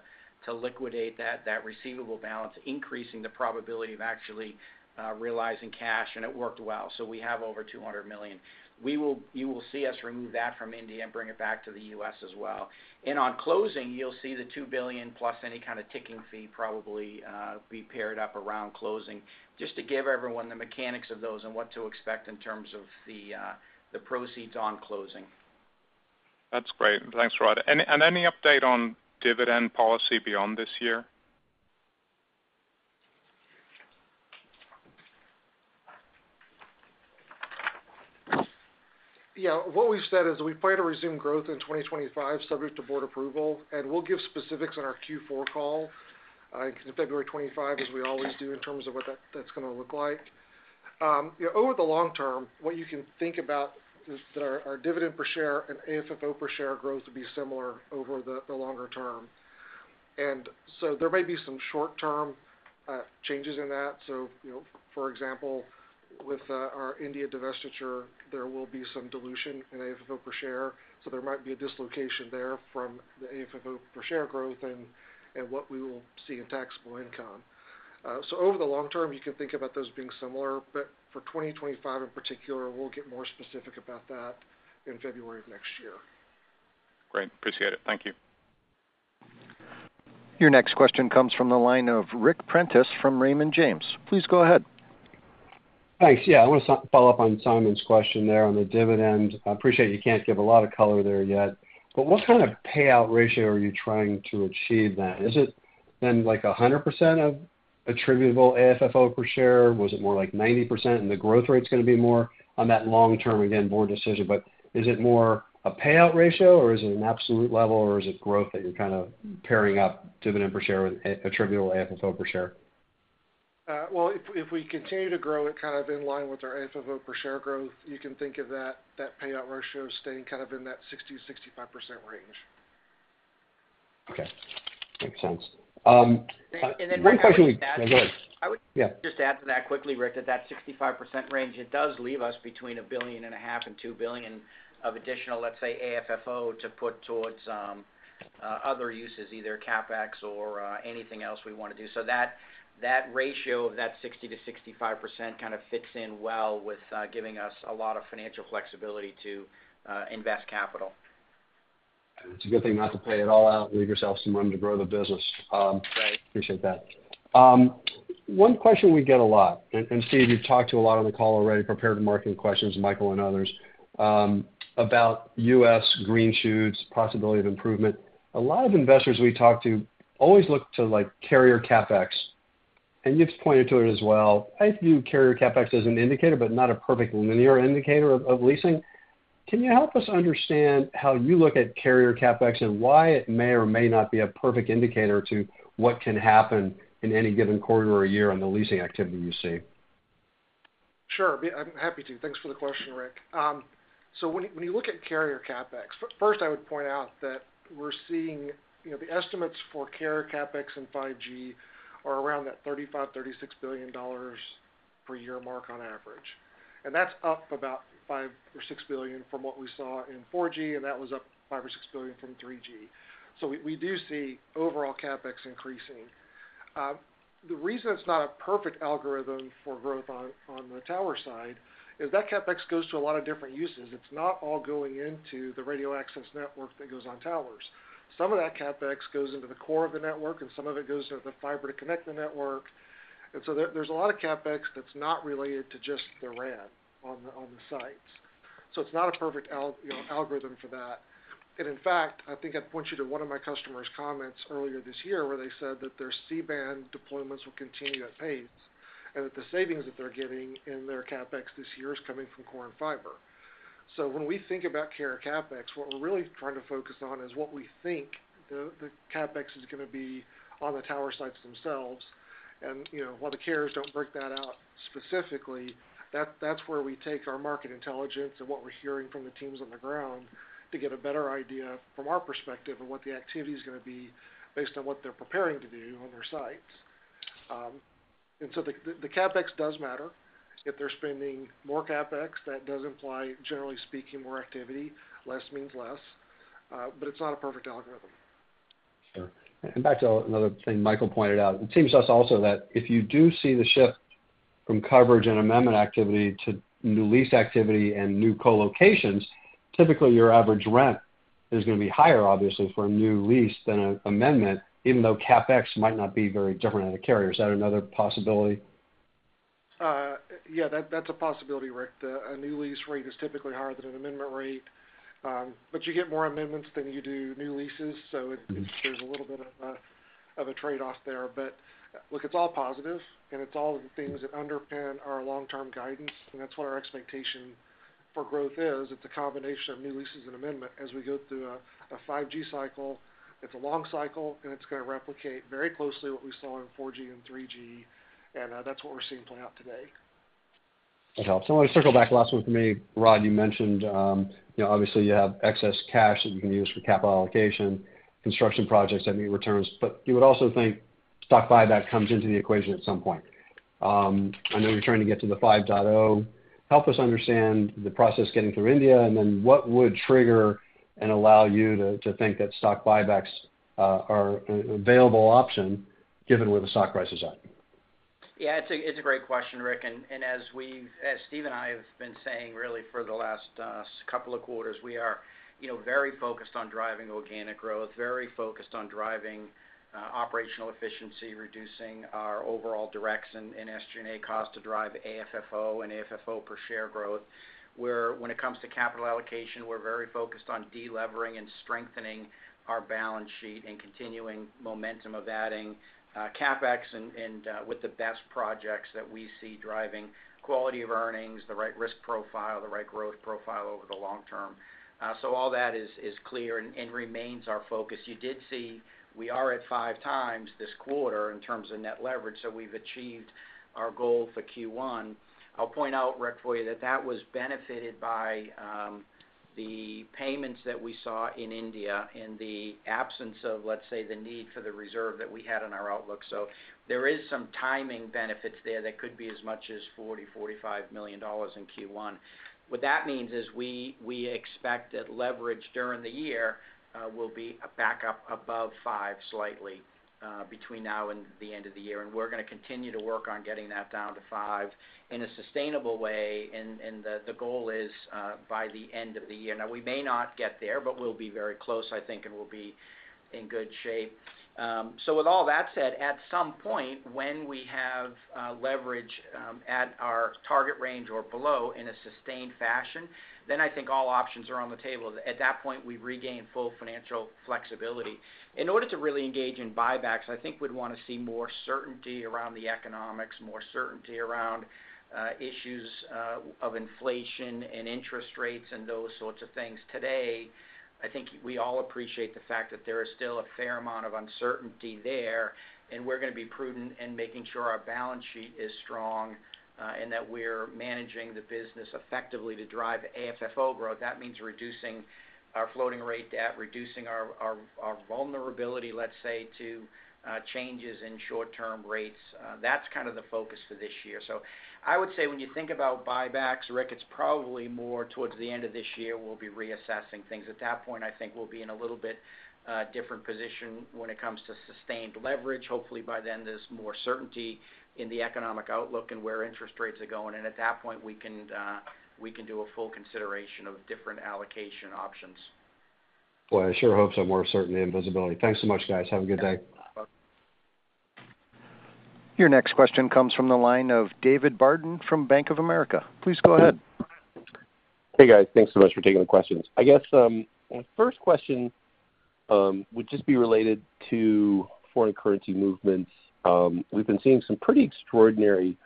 Speaker 4: liquidate that receivable balance, increasing the probability of actually realizing cash, and it worked well. So we have over $200 million. We will. You will see us remove that from India and bring it back to the U.S. as well. And on closing, you'll see the $2 billion plus any kind of ticking fee probably be paid up around closing, just to give everyone the mechanics of those and what to expect in terms of the proceeds on closing.
Speaker 7: That's great. Thanks, Rod. And any update on dividend policy beyond this year?
Speaker 3: Yeah. What we've said is we plan to resume growth in 2025, subject to board approval, and we'll give specifics on our Q4 call in February 2025, as we always do, in terms of what that's gonna look like. You know, over the long term, what you can think about is that our dividend per share and AFFO per share growth to be similar over the longer term. And so there may be some short-term changes in that. So, you know, for example, with our India divestiture, there will be some dilution in AFFO per share, so there might be a dislocation there from the AFFO per share growth and what we will see in taxable income. So over the long term, you can think about those being similar, but for 2025 in particular, we'll get more specific about that in February of next year.
Speaker 7: Great, appreciate it. Thank you.
Speaker 1: Your next question comes from the line of Ric Prentiss from Raymond James. Please go ahead.
Speaker 8: Thanks. Yeah, I wanna follow up on Simon's question there on the dividend. I appreciate you can't give a lot of color there yet, but what kind of payout ratio are you trying to achieve then? Is it then, like, 100% of attributable AFFO per share? Was it more like 90%, and the growth rate's gonna be more on that long term, again, board decision? But is it more a payout ratio, or is it an absolute level, or is it growth that you're kind of pairing up dividend per share with attributable AFFO per share?
Speaker 3: Well, if we continue to grow it kind of in line with our AFFO per share growth, you can think of that payout ratio staying kind of in that 60%-65% range.
Speaker 8: Okay, makes sense. One question we
Speaker 4: And then, I would
Speaker 8: Yeah.
Speaker 4: Just to add to that quickly, Ric, at that 65% range, it does leave us between $1.5 billion and $2 billion of additional, let's say, AFFO, to put towards, other uses, either CapEx or, anything else we wanna do. So that, that ratio of that 60%-65% kind of fits in well with, giving us a lot of financial flexibility to, invest capital.
Speaker 8: It's a good thing not to pay it all out, leave yourself some money to grow the business.
Speaker 4: Right.
Speaker 8: Appreciate that. One question we get a lot, and, and Steve, you've talked to a lot on the call already, prepared marketing questions, Michael and others, about U.S. green shoots, possibility of improvement. A lot of investors we talk to always look to, like, carrier CapEx, and you've pointed to it as well. I view carrier CapEx as an indicator, but not a perfect linear indicator of, of leasing. Can you help us understand how you look at carrier CapEx, and why it may or may not be a perfect indicator to what can happen in any given quarter or year on the leasing activity you see?
Speaker 3: Sure, I'm happy to. Thanks for the question, Rick. So when, when you look at carrier CapEx, first, I would point out that we're seeing, you know, the estimates for carrier CapEx and 5G are around that $35-$36 billion per year mark on average. And that's up about $5 to 6 billion from what we saw in 4G, and that was up $5-$6 billion from 3G. So we, we do see overall CapEx increasing. The reason it's not a perfect algorithm for growth on, on the tower side is that CapEx goes to a lot of different uses. It's not all going into the radio access network that goes on towers. Some of that CapEx goes into the core of the network, and some of it goes into the fiber to connect the network. And so there's a lot of CapEx that's not related to just the RAN on the sites. So it's not a perfect, you know, algorithm for that. And in fact, I think I'd point you to one of my customer's comments earlier this year, where they said that their C-band deployments will continue at pace, and that the savings that they're getting in their CapEx this year is coming from core and fiber. So when we think about carrier CapEx, what we're really trying to focus on is what we think the CapEx is gonna be on the tower sites themselves. You know, while the carriers don't break that out specifically, that's where we take our market intelligence and what we're hearing from the teams on the ground to get a better idea, from our perspective, of what the activity's gonna be based on what they're preparing to do on their sites. So the CapEx does matter. If they're spending more CapEx, that does imply, generally speaking, more activity. Less means less, but it's not a perfect algorithm.
Speaker 8: Sure. And back to another thing Michael pointed out, it seems to us also that if you do see the shift from coverage and amendment activity to new lease activity and new co-locations, typically, your average rent is gonna be higher, obviously, for a new lease than an amendment, even though CapEx might not be very different on the carrier. Is that another possibility?
Speaker 3: Yeah, that's a possibility, Ric. A new lease rate is typically higher than an amendment rate, but you get more amendments than you do new leases, so it-
Speaker 8: Mm-hmm
Speaker 3: there's a little bit of a trade-off there. But, look, it's all positive, and it's all the things that underpin our long-term guidance, and that's what our expectation for growth is, it's a combination of new leases and amendment as we go through a 5G cycle. It's a long cycle, and it's gonna replicate very closely what we saw in 4G and 3G, and that's what we're seeing play out today.
Speaker 8: That helps. I want to circle back to the last one for me. Rod, you mentioned, you know, obviously, you have excess cash that you can use for capital allocation, construction projects that need returns, but you would also think stock buyback comes into the equation at some point. I know you're trying to get to the 5.0. Help us understand the process getting through India, and then what would trigger and allow you to, to think that stock buybacks are an available option given where the stock price is at?
Speaker 4: Yeah, it's a great question, Rick. And as we've as Steve and I have been saying really for the last couple of quarters, we are, you know, very focused on driving organic growth, very focused on driving operational efficiency, reducing our overall direction in SG&A costs to drive AFFO and AFFO per share growth. We're when it comes to capital allocation, we're very focused on delevering and strengthening our balance sheet and continuing momentum of adding CapEx and with the best projects that we see driving quality of earnings, the right risk profile, the right growth profile over the long term. So all that is clear and remains our focus. You did see we are at 5x this quarter in terms of net leverage, so we've achieved our goal for Q1. I'll point out, Rick, for you, that that was benefited by, the payments that we saw in India, in the absence of, let's say, the need for the reserve that we had in our outlook. So there is some timing benefits there that could be as much as $40-$45 million in Q1. What that means is we, we expect that leverage during the year, will be back up above five, slightly, between now and the end of the year. And we're gonna continue to work on getting that down to five in a sustainable way, and, and the, the goal is, by the end of the year. Now, we may not get there, but we'll be very close, I think, and we'll be in good shape. So with all that said, at some point, when we have leverage at our target range or below in a sustained fashion, then I think all options are on the table. At that point, we've regained full financial flexibility. In order to really engage in buybacks, I think we'd want to see more certainty around the economics, more certainty around issues of inflation and interest rates and those sorts of things. Today, I think we all appreciate the fact that there is still a fair amount of uncertainty there, and we're gonna be prudent in making sure our balance sheet is strong, and that we're managing the business effectively to drive AFFO growth. That means reducing our floating rate debt, reducing our vulnerability, let's say, to changes in short-term rates. That's kind of the focus for this year. I would say when you think about buybacks, Rick, it's probably more towards the end of this year, we'll be reassessing things. At that point, I think we'll be in a little bit different position when it comes to sustained leverage. Hopefully, by then, there's more certainty in the economic outlook and where interest rates are going, and at that point, we can do a full consideration of different allocation options.
Speaker 8: Well, I sure hope so, more certainty and visibility. Thanks so much, guys. Have a good day.
Speaker 1: Your next question comes from the line of David Barden from Bank of America. Please go ahead.
Speaker 9: Hey, guys. Thanks so much for taking the questions. I guess my first question would just be related to foreign currency movements. We've been seeing some pretty extraordinary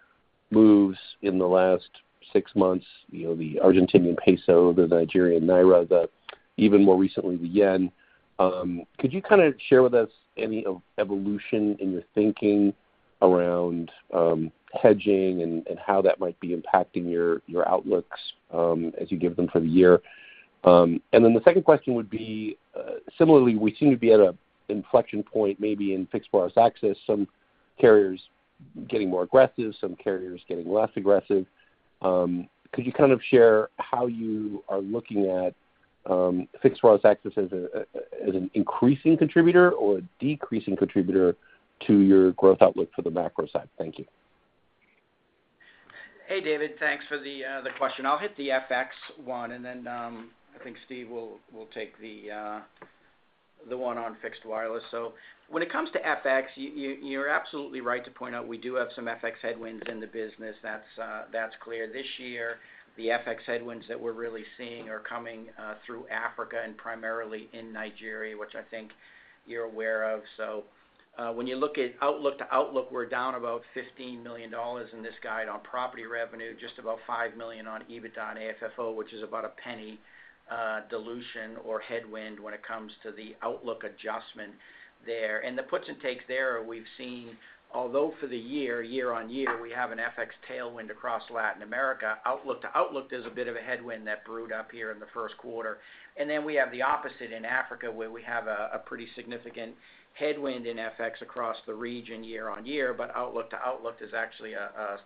Speaker 9: moves in the last six months, you know, the Argentinian peso, the Nigerian naira, and even more recently, the yen. Could you kind of share with us any evolution in your thinking around hedging and how that might be impacting your outlooks as you give them for the year? And then the second question would be, similarly, we seem to be at an inflection point, maybe in fixed wireless access, some carriers getting more aggressive, some carriers getting less aggressive. Could you kind of share how you are looking at fixed wireless access as an increasing contributor or a decreasing contributor to your growth outlook for the macro side? Thank you.
Speaker 4: Hey, David. Thanks for the question. I'll hit the FX one, and then, I think Steve will take the one on fixed wireless. So when it comes to FX, you, you're absolutely right to point out we do have some FX headwinds in the business. That's clear. This year, the FX headwinds that we're really seeing are coming through Africa and primarily in Nigeria, which I think you're aware of. So, when you look at outlook to outlook, we're down about $15 million in this guide on property revenue, just about $5 million on EBITDA and AFFO, which is about a penny dilution or headwind when it comes to the outlook adjustment there. And the puts and takes there we've seen, although for the year, year-on-year, we have an FX tailwind across Latin America, outlook to outlook, there's a bit of a headwind that brewed up here in the Q1. And then we have the opposite in Africa, where we have a pretty significant headwind in FX across the region year-on-year, but outlook to outlook is actually a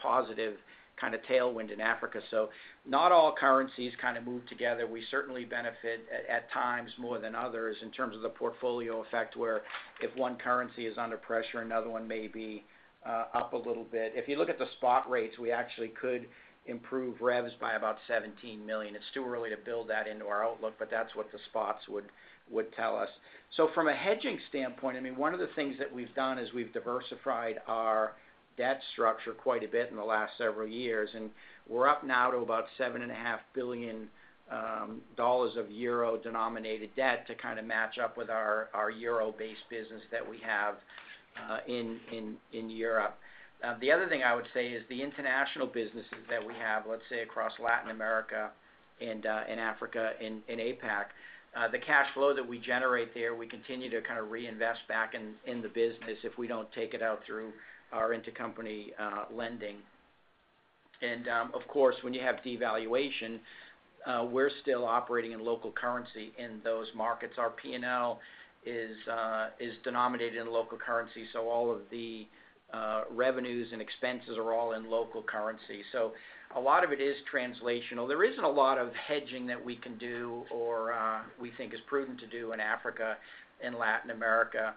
Speaker 4: positive kind of tailwind in Africa. So not all currencies kind of move together. We certainly benefit at times more than others in terms of the portfolio effect, where if one currency is under pressure, another one may be up a little bit. If you look at the spot rates, we actually could improve revs by about $17 million. It's too early to build that into our outlook, but that's what the spots would tell us. So from a hedging standpoint, I mean, one of the things that we've done is we've diversified our debt structure quite a bit in the last several years, and we're up now to about $7.5 billion of euro-denominated debt to kind of match up with our euro-based business that we have in Europe. The other thing I would say is the international businesses that we have, let's say, across Latin America and in Africa, in APAC, the cash flow that we generate there, we continue to kind of reinvest back in the business if we don't take it out through our intercompany lending. And, of course, when you have devaluation, we're still operating in local currency in those markets. Our P&L is denominated in local currency, so all of the revenues and expenses are all in local currency. So a lot of it is translational. There isn't a lot of hedging that we can do or we think is prudent to do in Africa and Latin America.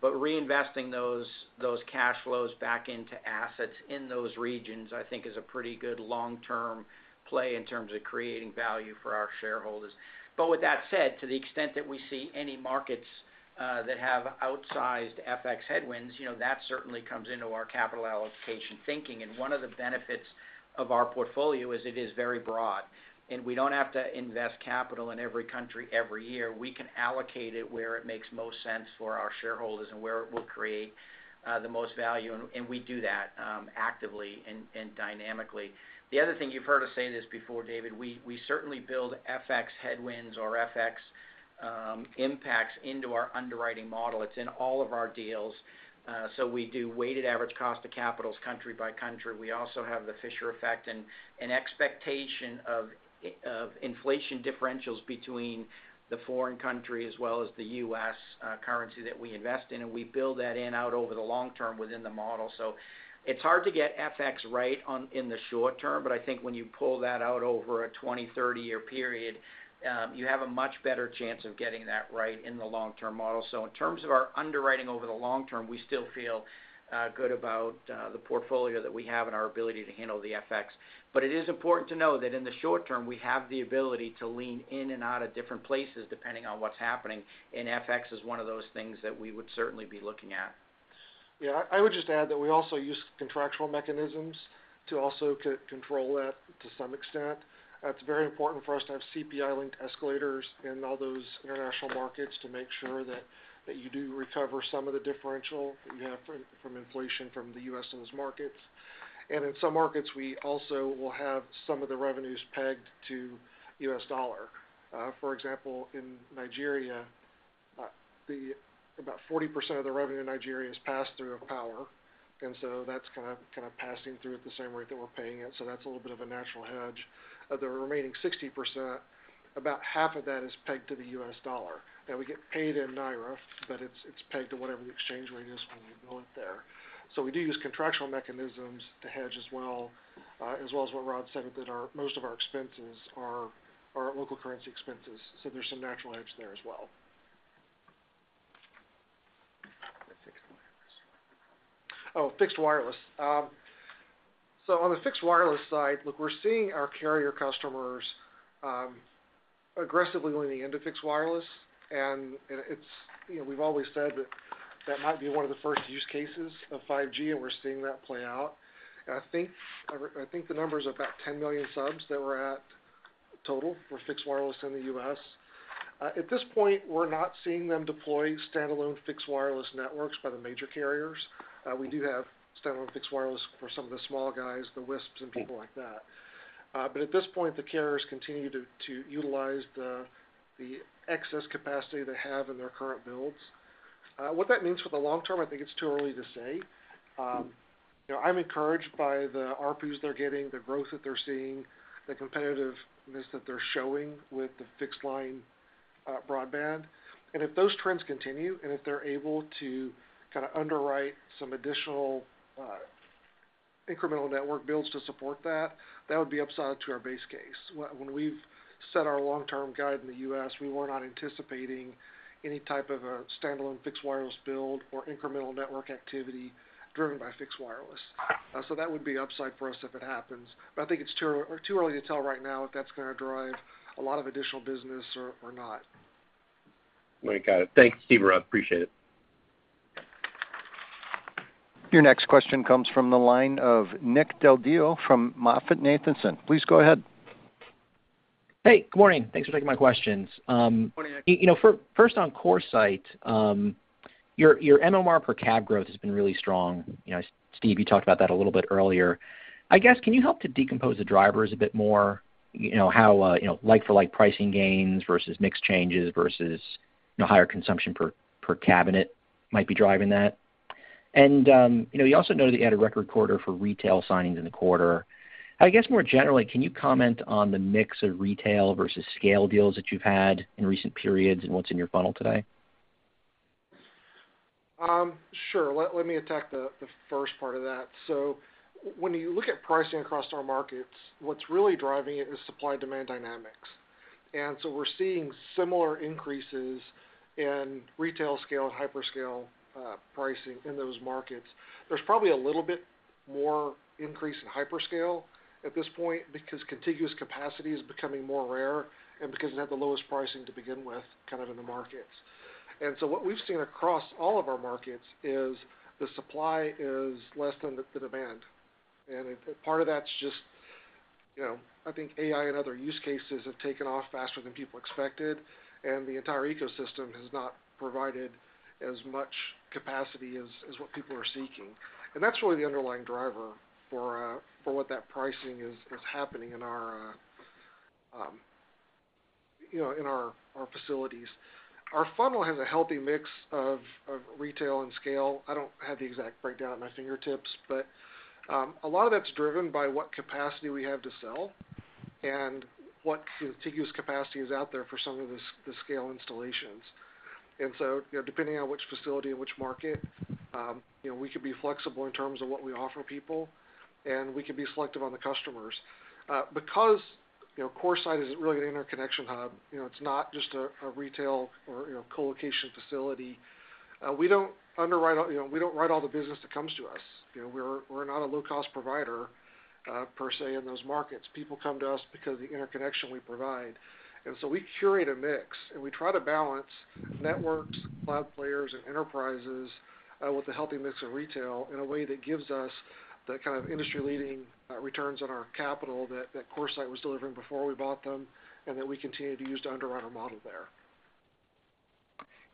Speaker 4: But reinvesting those cash flows back into assets in those regions, I think is a pretty good long-term play in terms of creating value for our shareholders. But with that said, to the extent that we see any markets that have outsized FX headwinds, you know, that certainly comes into our capital allocation thinking. And one of the benefits of our portfolio is it is very broad, and we don't have to invest capital in every country every year. We can allocate it where it makes most sense for our shareholders and where it will create the most value, and we do that actively and dynamically. The other thing you've heard us say this before, David, we certainly build FX headwinds or FX impacts into our underwriting model. It's in all of our deals. So we do weighted average cost of capitals country by country. We also have the Fisher effect and an expectation of inflation differentials between the foreign country as well as the U.S. currency that we invest in, and we build that in out over the long term within the model. So it's hard to get FX right on, in the short term, but I think when you pull that out over a 20, 30-year period, you have a much better chance of getting that right in the long-term model. So in terms of our underwriting over the long term, we still feel good about the portfolio that we have and our ability to handle the FX. But it is important to know that in the short term, we have the ability to lean in and out of different places, depending on what's happening, and FX is one of those things that we would certainly be looking at.
Speaker 3: Yeah, I would just add that we also use contractual mechanisms to also co-control that to some extent. It's very important for us to have CPI-linked escalators in all those international markets to make sure that, that you do recover some of the differential that you have from, from inflation from the U.S. in those markets. And in some markets, we also will have some of the revenues pegged to U.S. dollar. For example, in Nigeria, the about 40% of the revenue in Nigeria is passed through of power, and so that's kind of, kind of passing through at the same rate that we're paying it, so that's a little bit of a natural hedge. Of the remaining 60%, about half of that is pegged to the U.S. dollar. Now, we get paid in Naira, but it's pegged to whatever the exchange rate is when we went there. So we do use contractual mechanisms to hedge as well as what Rod said, that our most of our expenses are local currency expenses, so there's some natural hedge there as well. Oh, fixed wireless. So on the fixed wireless side, look, we're seeing our carrier customers aggressively leaning into fixed wireless, and it's, you know, we've always said that that might be one of the first use cases of 5G, and we're seeing that play out. And I think the number's about 10 million subs that we're at total for fixed wireless in the U.S. At this point, we're not seeing them deploy standalone fixed wireless networks by the major carriers. We do have standalone fixed wireless for some of the small guys, the WISPs and people like that. But at this point, the carriers continue to utilize the excess capacity they have in their current builds. What that means for the long term, I think it's too early to say. You know, I'm encouraged by the ARPU's they're getting, the growth that they're seeing, the competitiveness that they're showing with the fixed line broadband. And if those trends continue, and if they're able to kind of underwrite some additional incremental network builds to support that, that would be upside to our base case. When we've set our long-term guide in the U.S., we were not anticipating any type of a standalone fixed wireless build or incremental network activity driven by fixed wireless. So that would be upside for us if it happens, but I think it's too early to tell right now if that's gonna drive a lot of additional business or not.
Speaker 9: All right. Got it. Thanks, Steve, Rod. Appreciate it.
Speaker 1: Your next question comes from the line of Nick Del Deo from MoffettNathanson. Please go ahead.
Speaker 10: Hey, good morning. Thanks for taking my questions.
Speaker 3: Good morning, Nick.
Speaker 10: You know, first, on CoreSite, your MRR per cab growth has been really strong. You know, Steve, you talked about that a little bit earlier. I guess, can you help to decompose the drivers a bit more, you know, how, you know, like-for-like pricing gains versus mix changes versus, you know, higher consumption per cabinet might be driving that? And, you know, you also noted that you had a record quarter for retail signings in the quarter. I guess, more generally, can you comment on the mix of retail versus scale deals that you've had in recent periods and what's in your funnel today?
Speaker 3: Sure. Let me attack the first part of that. So when you look at pricing across our markets, what's really driving it is supply-demand dynamics. And so we're seeing similar increases in retail scale and hyperscale pricing in those markets. There's probably a little bit more increase in hyperscale at this point because contiguous capacity is becoming more rare and because it had the lowest pricing to begin with, kind of in the markets. And so what we've seen across all of our markets is the supply is less than the demand. And part of that's just, you know, I think AI and other use cases have taken off faster than people expected, and the entire ecosystem has not provided as much capacity as what people are seeking. And that's really the underlying driver for what that pricing is happening in our, you know, in our facilities. Our funnel has a healthy mix of retail and scale. I don't have the exact breakdown at my fingertips, but a lot of that's driven by what capacity we have to sell and what contiguous capacity is out there for some of the scale installations. And so, you know, depending on which facility and which market, you know, we could be flexible in terms of what we offer people, and we could be selective on the customers. Because, you know, CoreSite is really an interconnection hub, you know, it's not just a retail or, you know, co-location facility, we don't underwrite all. You know, we don't write all the business that comes to us. You know, we're not a low-cost provider, per say, in those markets. People come to us because of the interconnection we provide. And so we curate a mix, and we try to balance networks, cloud players, and enterprises, with a healthy mix of retail in a way that gives us the kind of industry-leading, returns on our capital that CoreSite was delivering before we bought them and that we continue to use to underwrite our model there.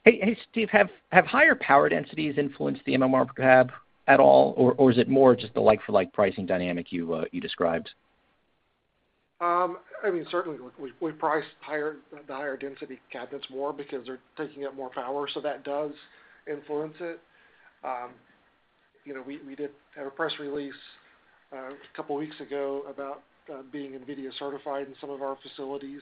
Speaker 10: Hey, Steve, have higher power densities influenced the MMR per cab at all, or is it more just the like-for-like pricing dynamic you described?
Speaker 3: I mean, certainly, we price higher, the higher density cabinets more because they're taking up more power, so that does influence it. You know, we did have a press release a couple weeks ago about being NVIDIA certified in some of our facilities.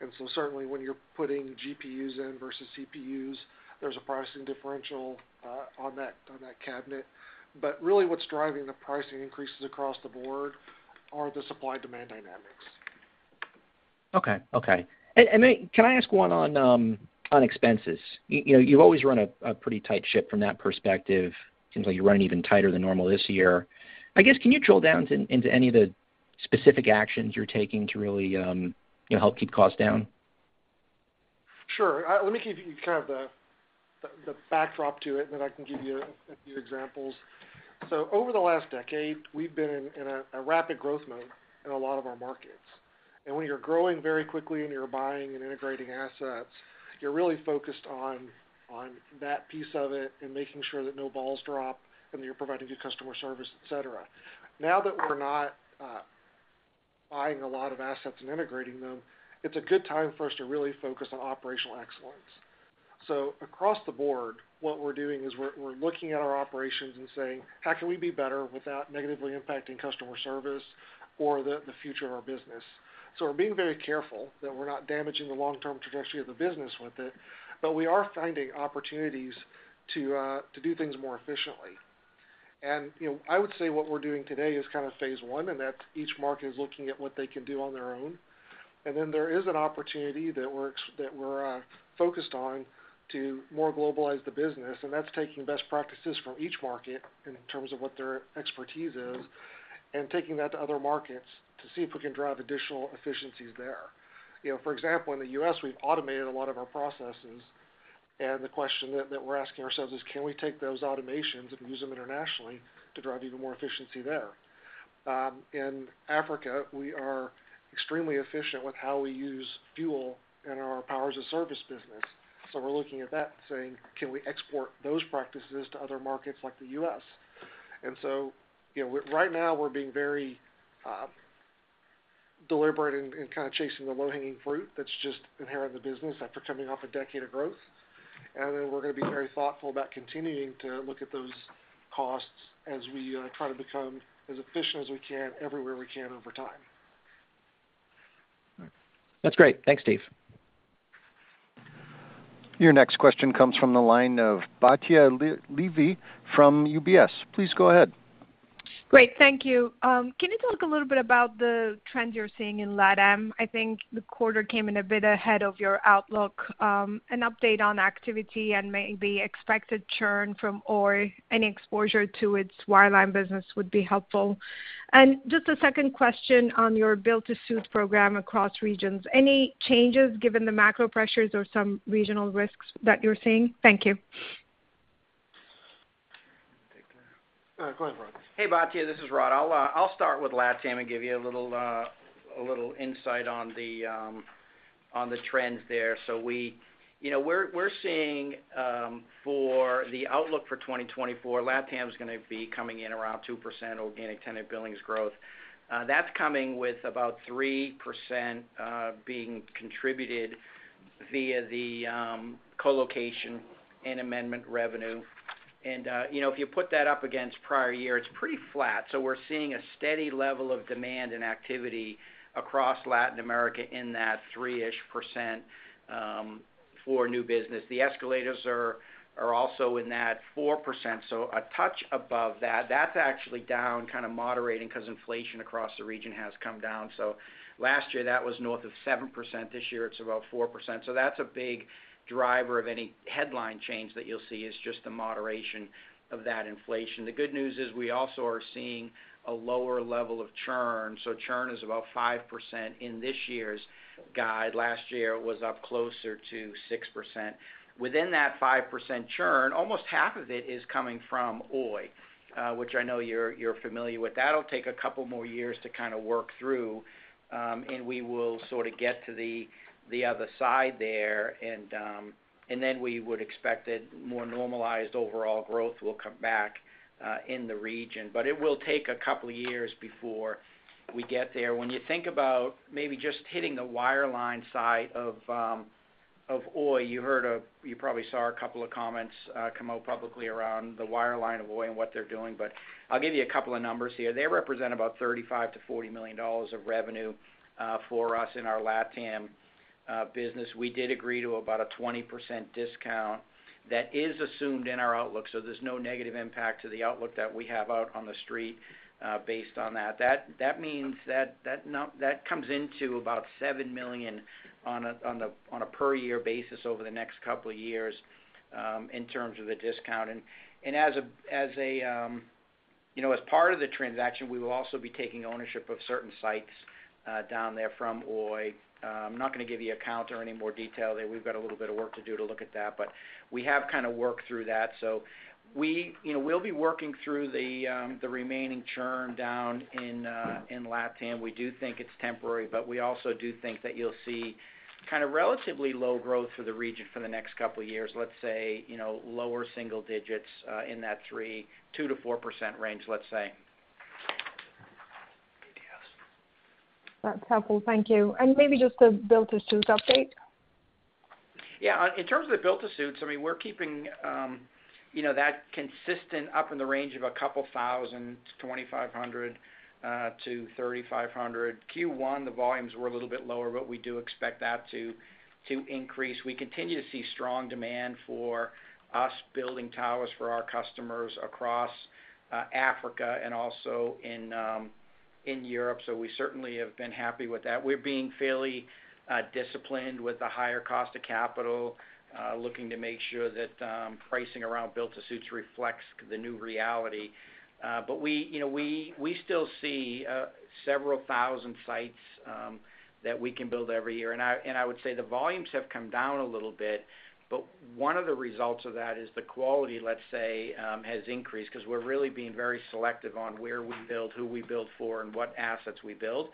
Speaker 3: And so certainly, when you're putting GPUs in versus CPUs, there's a pricing differential on that cabinet. But really, what's driving the pricing increases across the board are the supply-demand dynamics.
Speaker 10: Okay, okay. And then can I ask one on expenses? You know, you've always run a pretty tight ship from that perspective. Seems like you're running even tighter than normal this year. I guess, can you drill down into any of the specific actions you're taking to really, you know, help keep costs down?
Speaker 3: Sure. Let me give you kind of the backdrop to it, then I can give you a few examples. So over the last decade, we've been in a rapid growth mode in a lot of our markets. And when you're growing very quickly, and you're buying and integrating assets, you're really focused on that piece of it and making sure that no balls drop and that you're providing good customer service, et cetera. Now that we're not buying a lot of assets and integrating them, it's a good time for us to really focus on operational excellence. So across the board, what we're doing is we're looking at our operations and saying, how can we be better without negatively impacting customer service or the future of our business? So we're being very careful that we're not damaging the long-term trajectory of the business with it, but we are finding opportunities to do things more efficiently. And, you know, I would say what we're doing today is kind of phase one, and that's each market is looking at what they can do on their own. And then there is an opportunity that we're focused on to more globalize the business, and that's taking best practices from each market in terms of what their expertise is, and taking that to other markets to see if we can drive additional efficiencies there. You know, for example, in the U.S., we've automated a lot of our processes, and the question that we're asking ourselves is, can we take those automations and use them internationally to drive even more efficiency there? In Africa, we are extremely efficient with how we use fuel in our Power as a service business. So we're looking at that and saying, can we export those practices to other markets like the U.S.? And so, you know, right now, we're being very deliberate and kind of chasing the low-hanging fruit that's just inherent in the business after coming off a decade of growth. And then we're gonna be very thoughtful about continuing to look at those costs as we try to become as efficient as we can, everywhere we can over time.
Speaker 10: That's great. Thanks, Steve.
Speaker 1: Your next question comes from the line of Batya Levi from UBS. Please go ahead.
Speaker 11: Great, thank you. Can you talk a little bit about the trends you're seeing in LATAM? I think the quarter came in a bit ahead of your outlook. An update on activity and maybe expected churn from Oi. Any exposure to its wireline business would be helpful. Just a second question on your build-to-suit program across regions. Any changes given the macro pressures or some regional risks that you're seeing? Thank you.
Speaker 3: Go ahead, Rod.
Speaker 4: Hey, Batya, this is Rod. I'll start with LATAM and give you a little insight on the trends there. So, you know, we're seeing, for the outlook for 2024, LATAM is gonna be coming in around 2% organic tenant billings growth. That's coming with about 3%, being contributed via the co-location and amendment revenue. And, you know, if you put that up against prior year, it's pretty flat. So we're seeing a steady level of demand and activity across Latin America in that 3%-ish for new business. The escalators are also in that 4%, so a touch above that. That's actually down, kind of moderating because inflation across the region has come down. So last year, that was north of 7%; this year, it's about 4%. So that's a big driver of any headline change that you'll see, is just the moderation of that inflation. The good news is we also are seeing a lower level of churn, so churn is about 5% in this year's guide. Last year, it was up closer to 6%. Within that 5% churn, almost half of it is coming from Oi, which I know you're familiar with. That'll take a couple more years to kind of work through, and we will sort of get to the other side there, and then we would expect that more normalized overall growth will come back in the region. But it will take a couple of years before we get there. When you think about maybe just hitting the wireline side of Oi, you probably saw a couple of comments come out publicly around the wireline of Oi and what they're doing, but I'll give you a couple of numbers here. They represent about $35 to 40 million of revenue for us in our LATAM business. We did agree to about a 20% discount. That is assumed in our outlook, so there's no negative impact to the outlook that we have out on the street based on that. That means that that comes into about $7 million on a per year basis over the next couple of years in terms of the discount. As a, you know, as part of the transaction, we will also be taking ownership of certain sites down there from Oi. I'm not gonna give you a count or any more detail there. We've got a little bit of work to do to look at that, but we have kind of worked through that. So we, you know, we'll be working through the remaining churn down in LATAM. We do think it's temporary, but we also do think that you'll see kind of relatively low growth for the region for the next couple of years. Let's say, you know, lower single digits in that 2%-4% range, let's say.
Speaker 11: That's helpful. Thank you. Maybe just a build-to-suit update?
Speaker 4: Yeah. In terms of the build-to-suits, I mean, we're keeping, you know, that consistent up in the range of a couple thousand, 2,500-3,500. Q1, the volumes were a little bit lower, but we do expect that to increase. We continue to see strong demand for us building towers for our customers across Africa and also in Europe, so we certainly have been happy with that. We're being fairly disciplined with the higher cost of capital, looking to make sure that pricing around build-to-suits reflects the new reality. But we, you know, we still see several thousand sites that we can build every year. I would say the volumes have come down a little bit, but one of the results of that is the quality, let's say, has increased because we're really being very selective on where we build, who we build for, and what assets we build.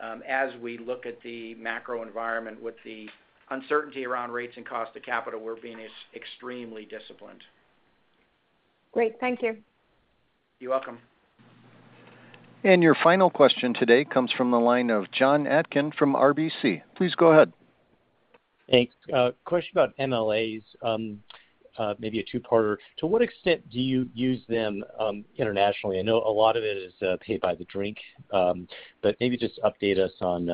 Speaker 4: As we look at the macro environment with the uncertainty around rates and cost of capital, we're being extremely disciplined.
Speaker 11: Great. Thank you.
Speaker 3: You're welcome.
Speaker 1: Your final question today comes from the line of John Atkin from RBC. Please go ahead.
Speaker 12: Thanks. A question about MLAs, maybe a two-parter. To what extent do you use them internationally? I know a lot of it is pay by the drink, but maybe just update us on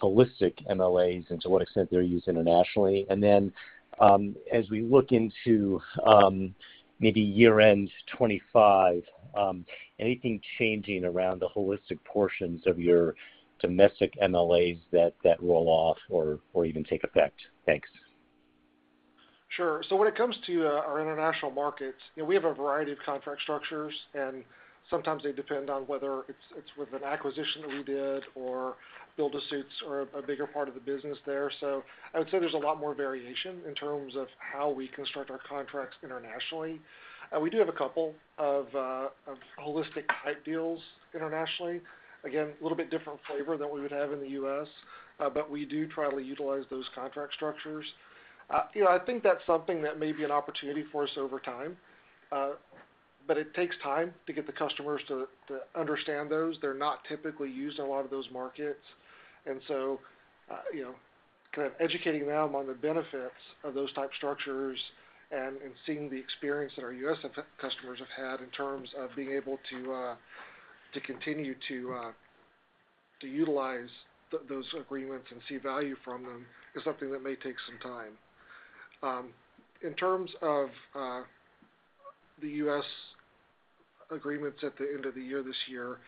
Speaker 12: holistic MLAs and to what extent they're used internationally. And then, as we look into maybe year-end 2025, anything changing around the holistic portions of your domestic MLAs that roll off or even take effect? Thanks.
Speaker 3: Sure. So when it comes to, our international markets, you know, we have a variety of contract structures, and sometimes they depend on whether it's, it's with an acquisition that we did or build-to-suits or a bigger part of the business there. So I would say there's a lot more variation in terms of how we construct our contracts internationally. We do have a couple of, of holistic type deals internationally. Again, a little bit different flavor than we would have in the U.S., but we do try to utilize those contract structures. You know, I think that's something that may be an opportunity for us over time, but it takes time to get the customers to, to understand those. They're not typically used in a lot of those markets. So, you know, kind of educating them on the benefits of those type structures and seeing the experience that our U.S. customers have had in terms of being able to continue to utilize those agreements and see value from them is something that may take some time. In terms of the U.S. agreements at the end of the year this year,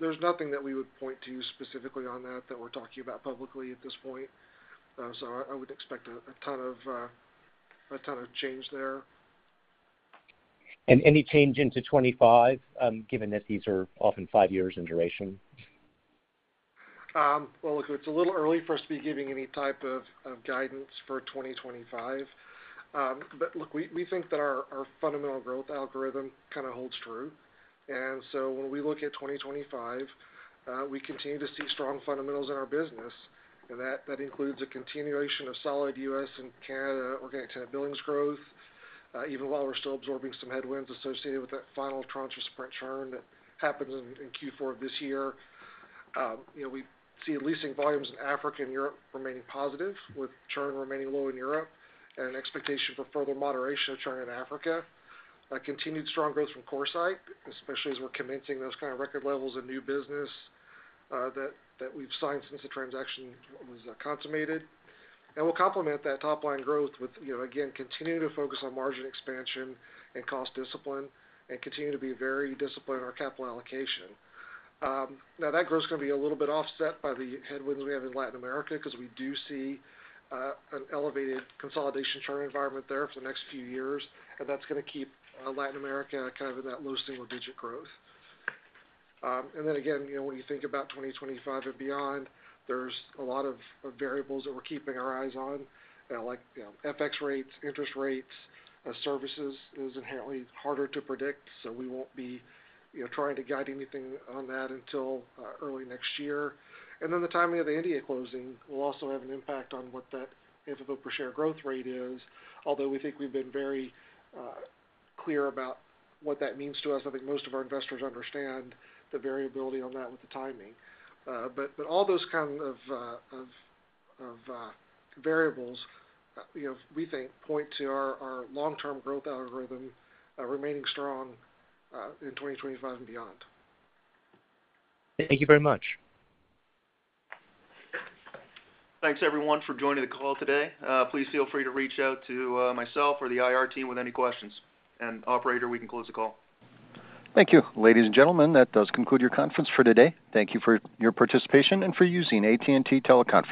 Speaker 3: there's nothing that we would point to specifically on that that we're talking about publicly at this point. So I would expect a ton of change there.
Speaker 12: Any change into 2025, given that these are often five years in duration?
Speaker 3: Well, look, it's a little early for us to be giving any type of guidance for 2025. But look, we think that our fundamental growth algorithm kind of holds true. And so when we look at 2025, we continue to see strong fundamentals in our business, and that includes a continuation of solid U.S. and Canada organic tenant billings growth, even while we're still absorbing some headwinds associated with that final tranche of Sprint churn that happened in Q4 of this year. You know, we see leasing volumes in Africa and Europe remaining positive, with churn remaining low in Europe and an expectation for further moderation of churn in Africa. A continued strong growth from CoreSite, especially as we're commencing those kind of record levels of new business that we've signed since the transaction was consummated. We'll complement that top line growth with, you know, again, continuing to focus on margin expansion and cost discipline and continue to be very disciplined in our capital allocation. Now, that growth is gonna be a little bit offset by the headwinds we have in Latin America, because we do see an elevated consolidation churn environment there for the next few years, and that's gonna keep Latin America kind of in that low single digit growth. And then again, you know, when you think about 2025 and beyond, there's a lot of, of variables that we're keeping our eyes on, like, you know, FX rates, interest rates, services is inherently harder to predict, so we won't be, you know, trying to guide anything on that until early next year. And then the timing of the India closing will also have an impact on what that per share growth rate is. Although we think we've been very clear about what that means to us, I think most of our investors understand the variability on that with the timing. But, but all those kind of, of, of variables, you know, we think point to our, our long-term growth algorithm remaining strong in 2025 and beyond.
Speaker 12: Thank you very much.
Speaker 3: Thanks, everyone, for joining the call today. Please feel free to reach out to myself or the IR team with any questions. Operator, we can close the call.
Speaker 1: Thank you. Ladies and gentlemen, that does conclude your conference for today. Thank you for your participation and for using AT&T Teleconference.